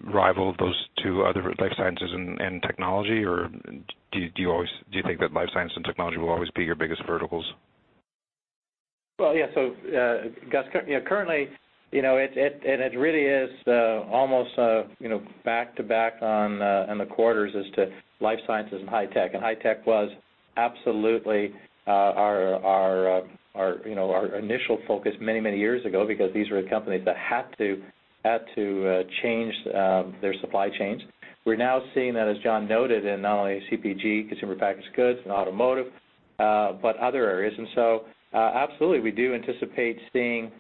rival those two other life sciences and technology? Do you think that life science and technology will always be your biggest verticals? Well, yeah. Gus, currently, it really is almost back to back in the quarters as to life sciences and high tech. High tech was absolutely our initial focus many years ago because these were the companies that had to change their supply chains. We're now seeing that, as John noted, in not only CPG, consumer packaged goods, and automotive, but other areas. Absolutely, we do anticipate seeing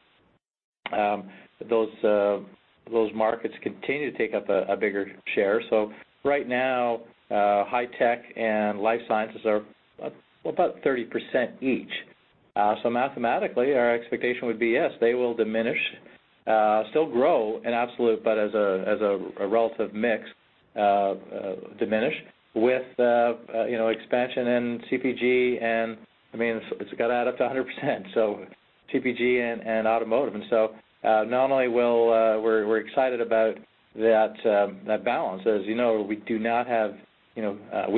those markets continue to take up a bigger share. Right now, high tech and life sciences are about 30% each. Mathematically, our expectation would be, yes, they will diminish, still grow in absolute, but as a relative mix, diminish with expansion in CPG, and it's got to add up to 100%, so CPG and automotive. Not only we're excited about that balance. As you know, we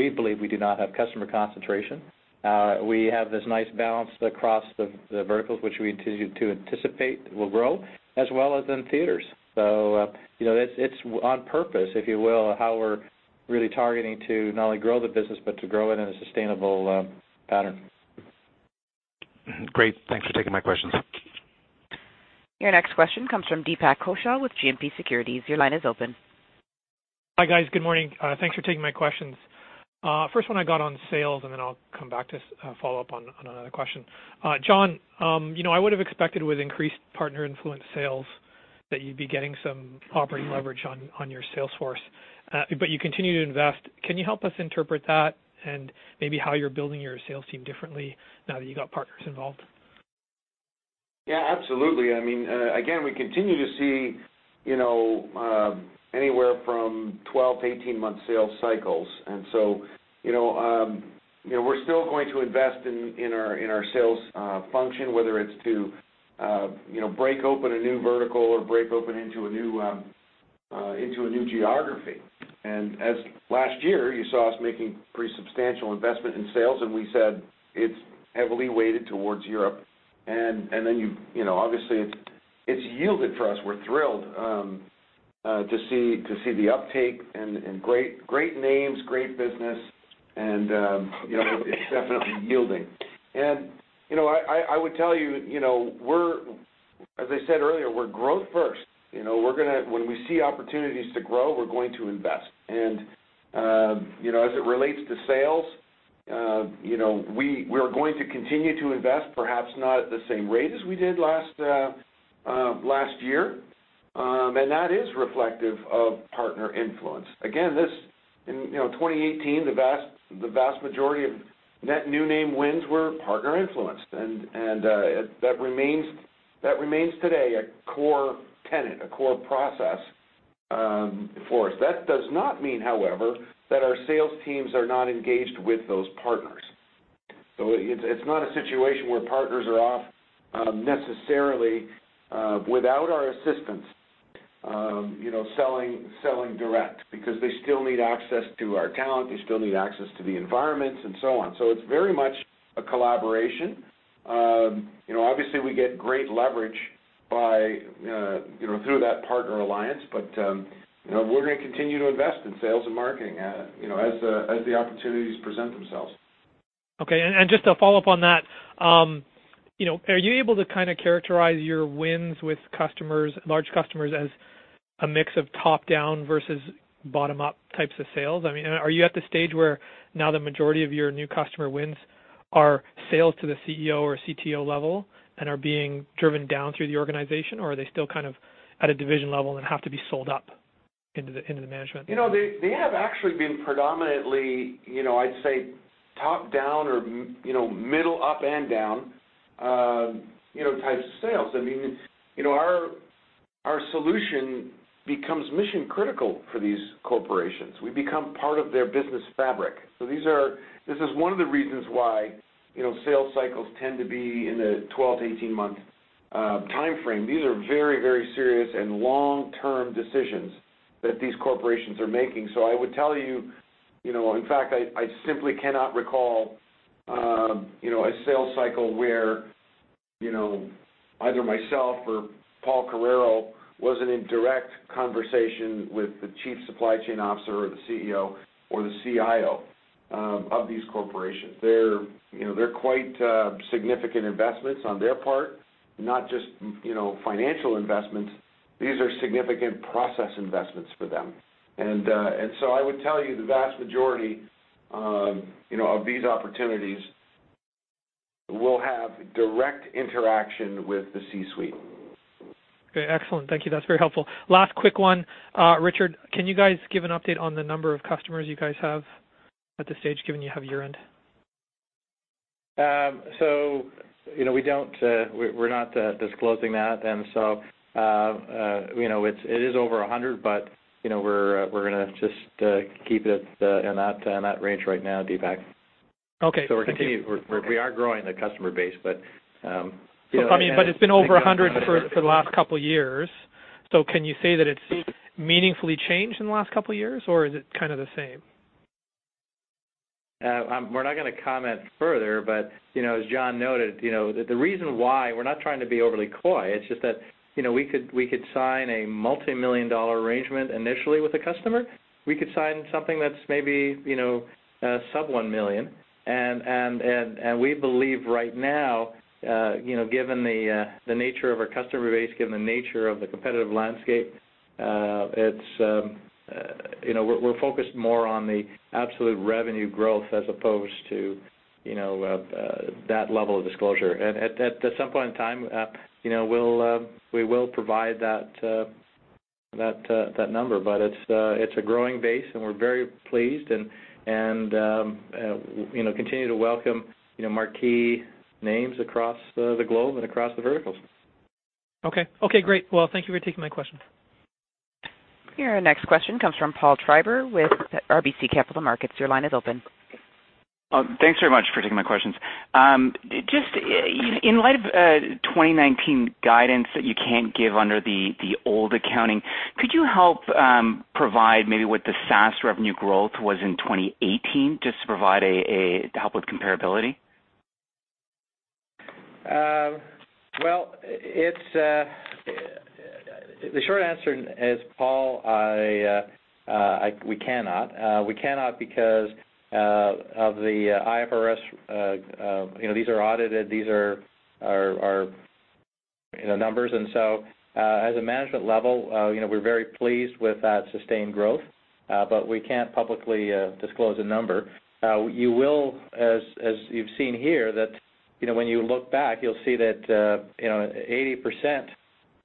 believe we do not have customer concentration. We have this nice balance across the verticals, which we anticipate will grow, as well as in theaters. It's on purpose, if you will, how we're really targeting to not only grow the business, but to grow it in a sustainable pattern. Great. Thanks for taking my questions. Your next question comes from Deepak Kochhar with GMP Securities. Your line is open. Hi, guys. Good morning. Thanks for taking my questions. First one I got on sales. Then I'll come back to follow up on another question. John, I would've expected with increased partner influence sales that you'd be getting some operating leverage on your sales force. You continue to invest. Can you help us interpret that and maybe how you're building your sales team differently now that you got partners involved? Absolutely. We continue to see anywhere from 12-18-month sales cycles. We're still going to invest in our sales function, whether it's to break open a new vertical or break open into a new geography. As last year, you saw us making pretty substantial investment in sales. We said it's heavily weighted towards Europe. Obviously, it's yielded for us. We're thrilled to see the uptake, great names, great business, it's definitely yielding. I would tell you, as I said earlier, we're growth first. When we see opportunities to grow, we're going to invest. As it relates to sales, we are going to continue to invest, perhaps not at the same rate as we did last year. That is reflective of partner influence. In 2018, the vast majority of net new name wins were partner influenced. That remains today a core tenet, a core process for us. That does not mean, however, that our sales teams are not engaged with those partners. It's not a situation where partners are off necessarily without our assistance selling direct. They still need access to our talent, they still need access to the environments, and so on. It's very much a collaboration. Obviously, we get great leverage through that partner alliance. We're going to continue to invest in sales and marketing as the opportunities present themselves. Okay. Just to follow up on that, are you able to characterize your wins with large customers as a mix of top-down versus bottom-up types of sales? Are you at the stage where now the majority of your new customer wins are sales to the CEO or CTO level and are being driven down through the organization, or are they still at a division level and have to be sold up into the management? They have actually been predominantly, I'd say, top-down or middle up and down types of sales. Our solution becomes mission-critical for these corporations. We become part of their business fabric. This is one of the reasons why sales cycles tend to be in the 12-18 month timeframe. These are very, very serious and long-term decisions that these corporations are making. I would tell you, in fact, I simply cannot recall a sales cycle where either myself or Paul Carreiro wasn't in direct conversation with the Chief Supply Chain Officer or the CEO or the CIO of these corporations. They're quite significant investments on their part, not just financial investments. These are significant process investments for them. I would tell you the vast majority of these opportunities will have direct interaction with the C-suite. Okay. Excellent. Thank you. That's very helpful. Last quick one. Richard, can you guys give an update on the number of customers you guys have at this stage, given you have year-end? We're not disclosing that. It is over 100, but we're going to just keep it in that range right now, Deepak. Okay. We are growing the customer base, but. It's been over 100 for the last couple of years. Can you say that it's meaningfully changed in the last couple of years, or is it kind of the same? We're not going to comment further. As John noted, the reason why, we're not trying to be overly coy, it's just that we could sign a multimillion-dollar arrangement initially with a customer. We could sign something that's maybe sub 1 million. We believe right now, given the nature of our customer base, given the nature of the competitive landscape, we're focused more on the absolute revenue growth as opposed to that level of disclosure. At some point in time, we will provide that number. It's a growing base, and we're very pleased and continue to welcome marquee names across the globe and across the verticals. Okay. Great. Well, thank you for taking my question. Your next question comes from Paul Treiber with RBC Capital Markets. Your line is open. Thanks very much for taking my questions. Just in light of 2019 guidance that you can't give under the old accounting, could you help provide maybe what the SaaS revenue growth was in 2018, just to help with comparability? Well, the short answer is, Paul, we cannot. We cannot because of the IFRS. These are audited. These are our numbers. At a management level, we're very pleased with that sustained growth, but we can't publicly disclose a number. You will, as you've seen here, that when you look back, you'll see that 80%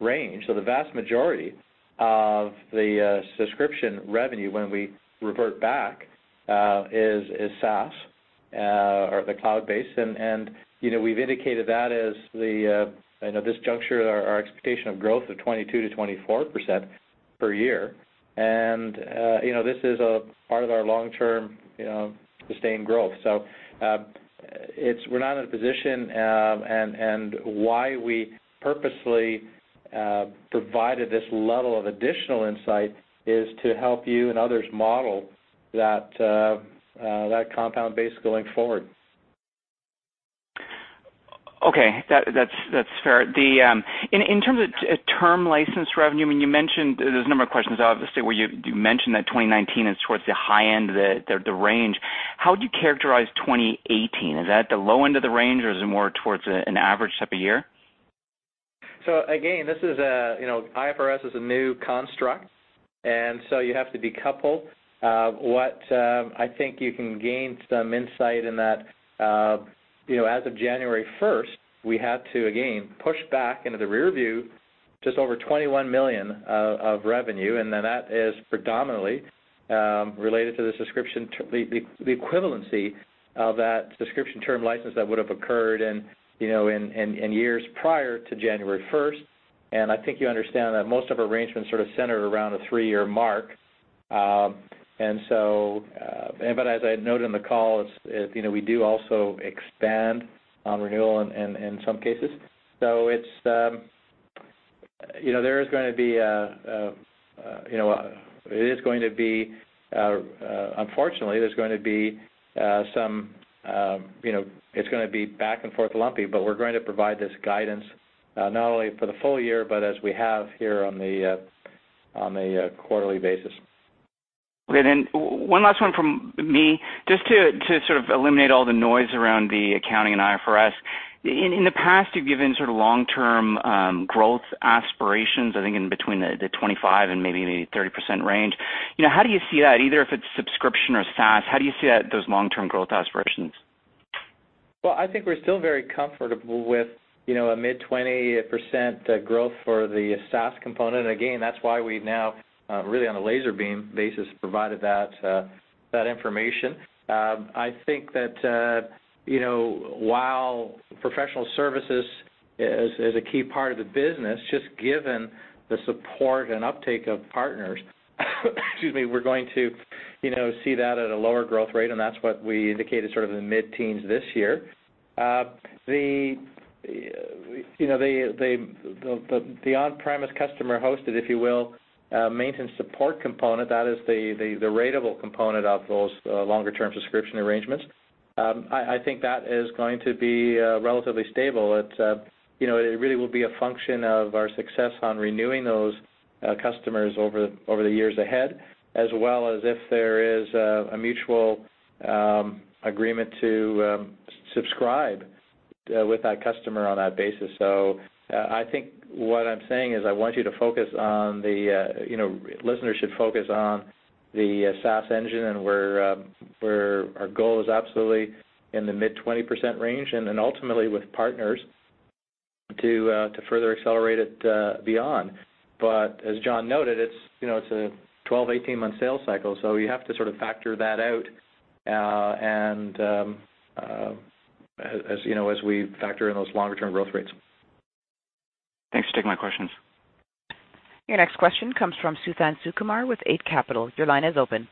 range, the vast majority of the subscription revenue when we revert back is SaaS or the cloud-based. We've indicated that as this juncture, our expectation of growth of 22%-24% per year. This is a part of our long-term sustained growth. We're not in a position, and why we purposely provided this level of additional insight is to help you and others model that compound base going forward. Okay. That's fair. In terms of term license revenue, there's a number of questions, obviously, where you mentioned that 2019 is towards the high end of the range. How would you characterize 2018? Is that at the low end of the range, or is it more towards an average type of year? Again, IFRS is a new construct, you have to decouple. I think you can gain some insight in that, as of January 1st, we had to, again, push back into the rear view just over $21 million of revenue, that is predominantly related to the equivalency of that subscription term license that would have occurred in years prior to January 1st. I think you understand that most of our arrangements sort of center around a three-year mark. As I had noted on the call, we do also expand on renewal in some cases. Unfortunately, it's going to be back and forth lumpy, but we're going to provide this guidance, not only for the full year, but as we have here on a quarterly basis. Okay, one last one from me. Just to sort of eliminate all the noise around the accounting and IFRS, in the past, you've given sort of long-term growth aspirations, I think in between the 25% and maybe the 30% range. How do you see that, either if it's subscription or SaaS, how do you see those long-term growth aspirations? I think we're still very comfortable with a mid-20% growth for the SaaS component. That's why we now, really on a laser beam basis, provided that information. I think that while professional services is a key part of the business, just given the support and uptake of partners, we're going to see that at a lower growth rate, and that's what we indicated, sort of in the mid-teens this year. The on-premise customer-hosted, if you will, maintenance support component, that is the ratable component of those longer-term subscription arrangements. I think that is going to be relatively stable. It really will be a function of our success on renewing those customers over the years ahead, as well as if there is a mutual agreement to subscribe with that customer on that basis. I think what I'm saying is listeners should focus on the SaaS engine, and our goal is absolutely in the mid-20% range. Ultimately with partners to further accelerate it beyond. As John noted, it's a 12, 18-month sales cycle, so you have to sort of factor that out as we factor in those longer-term growth rates. Thanks for taking my questions. Your next question comes from Suthan Sukumar with Eight Capital. Your line is open.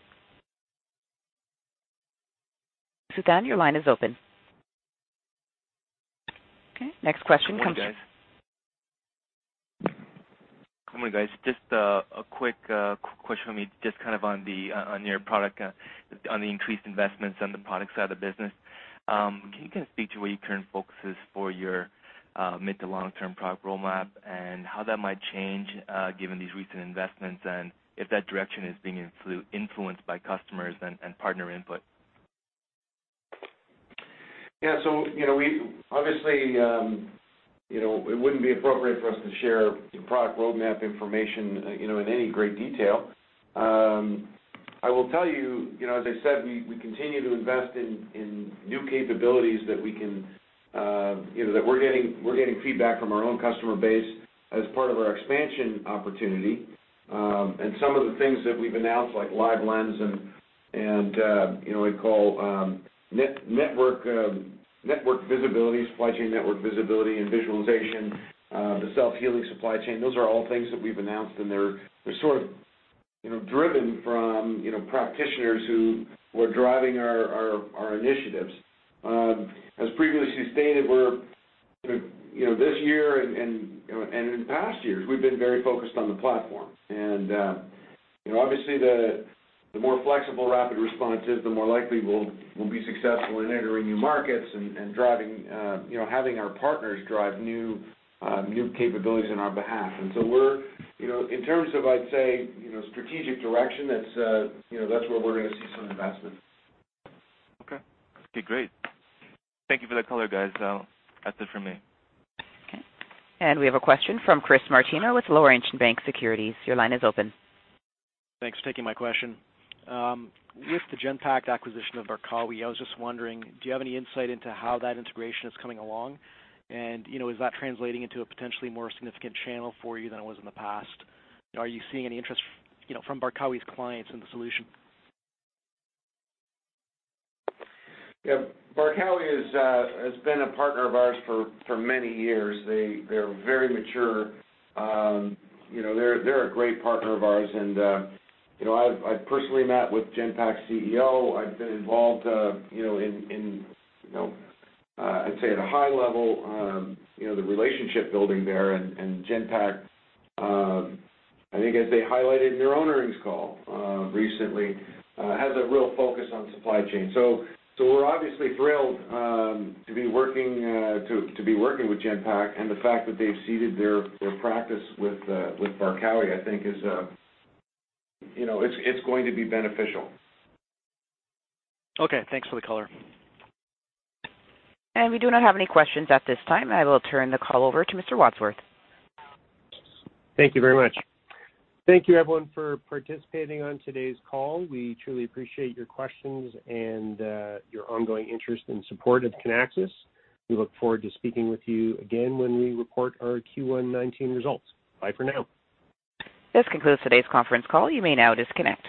Suthan, your line is open. Good morning, guys. Just a quick question from me, just kind of on your product, on the increased investments on the product side of the business. Can you kind of speak to where your current focus is for your mid to long-term product roadmap, and how that might change given these recent investments, and if that direction is being influenced by customers and partner input? Yeah. Obviously, it wouldn't be appropriate for us to share product roadmap information in any great detail. I will tell you, as I said, we continue to invest in new capabilities that we're getting feedback from our own customer base as part of our expansion opportunity. Some of the things that we've announced, like Live Lens and what we call network visibility, supply chain network visibility and visualization, the Self-Healing Supply Chain, those are all things that we've announced, and they're sort of driven from practitioners who were driving our initiatives. As previously stated, this year and in past years, we've been very focused on the platform. Obviously, the more flexible RapidResponse is, the more likely we'll be successful in entering new markets and having our partners drive new capabilities on our behalf. In terms of, I'd say, strategic direction, that's where we're going to see some investment. Okay, great. Thank you for that color, guys. That's it for me. Okay. We have a question from Chris Martino with Laurentian Bank Securities. Your line is open. Thanks for taking my question. With the Genpact acquisition of Barkawi, I was just wondering, do you have any insight into how that integration is coming along? Is that translating into a potentially more significant channel for you than it was in the past? Are you seeing any interest from Barkawi's clients in the solution? Yeah. Barkawi has been a partner of ours for many years. They're very mature. They're a great partner of ours, I've personally met with Genpact's CEO. I've been involved in, I'd say at a high level, the relationship building there. Genpact, I think as they highlighted in their own earnings call recently, has a real focus on supply chain. We're obviously thrilled to be working with Genpact, and the fact that they've seeded their practice with Barkawi, I think it's going to be beneficial. Okay, thanks for the color. We do not have any questions at this time. I will turn the call over to Mr. Wadsworth. Thank you very much. Thank you, everyone, for participating on today's call. We truly appreciate your questions and your ongoing interest and support of Kinaxis. We look forward to speaking with you again when we report our Q1 2019 results. Bye for now. This concludes today's conference call. You may now disconnect.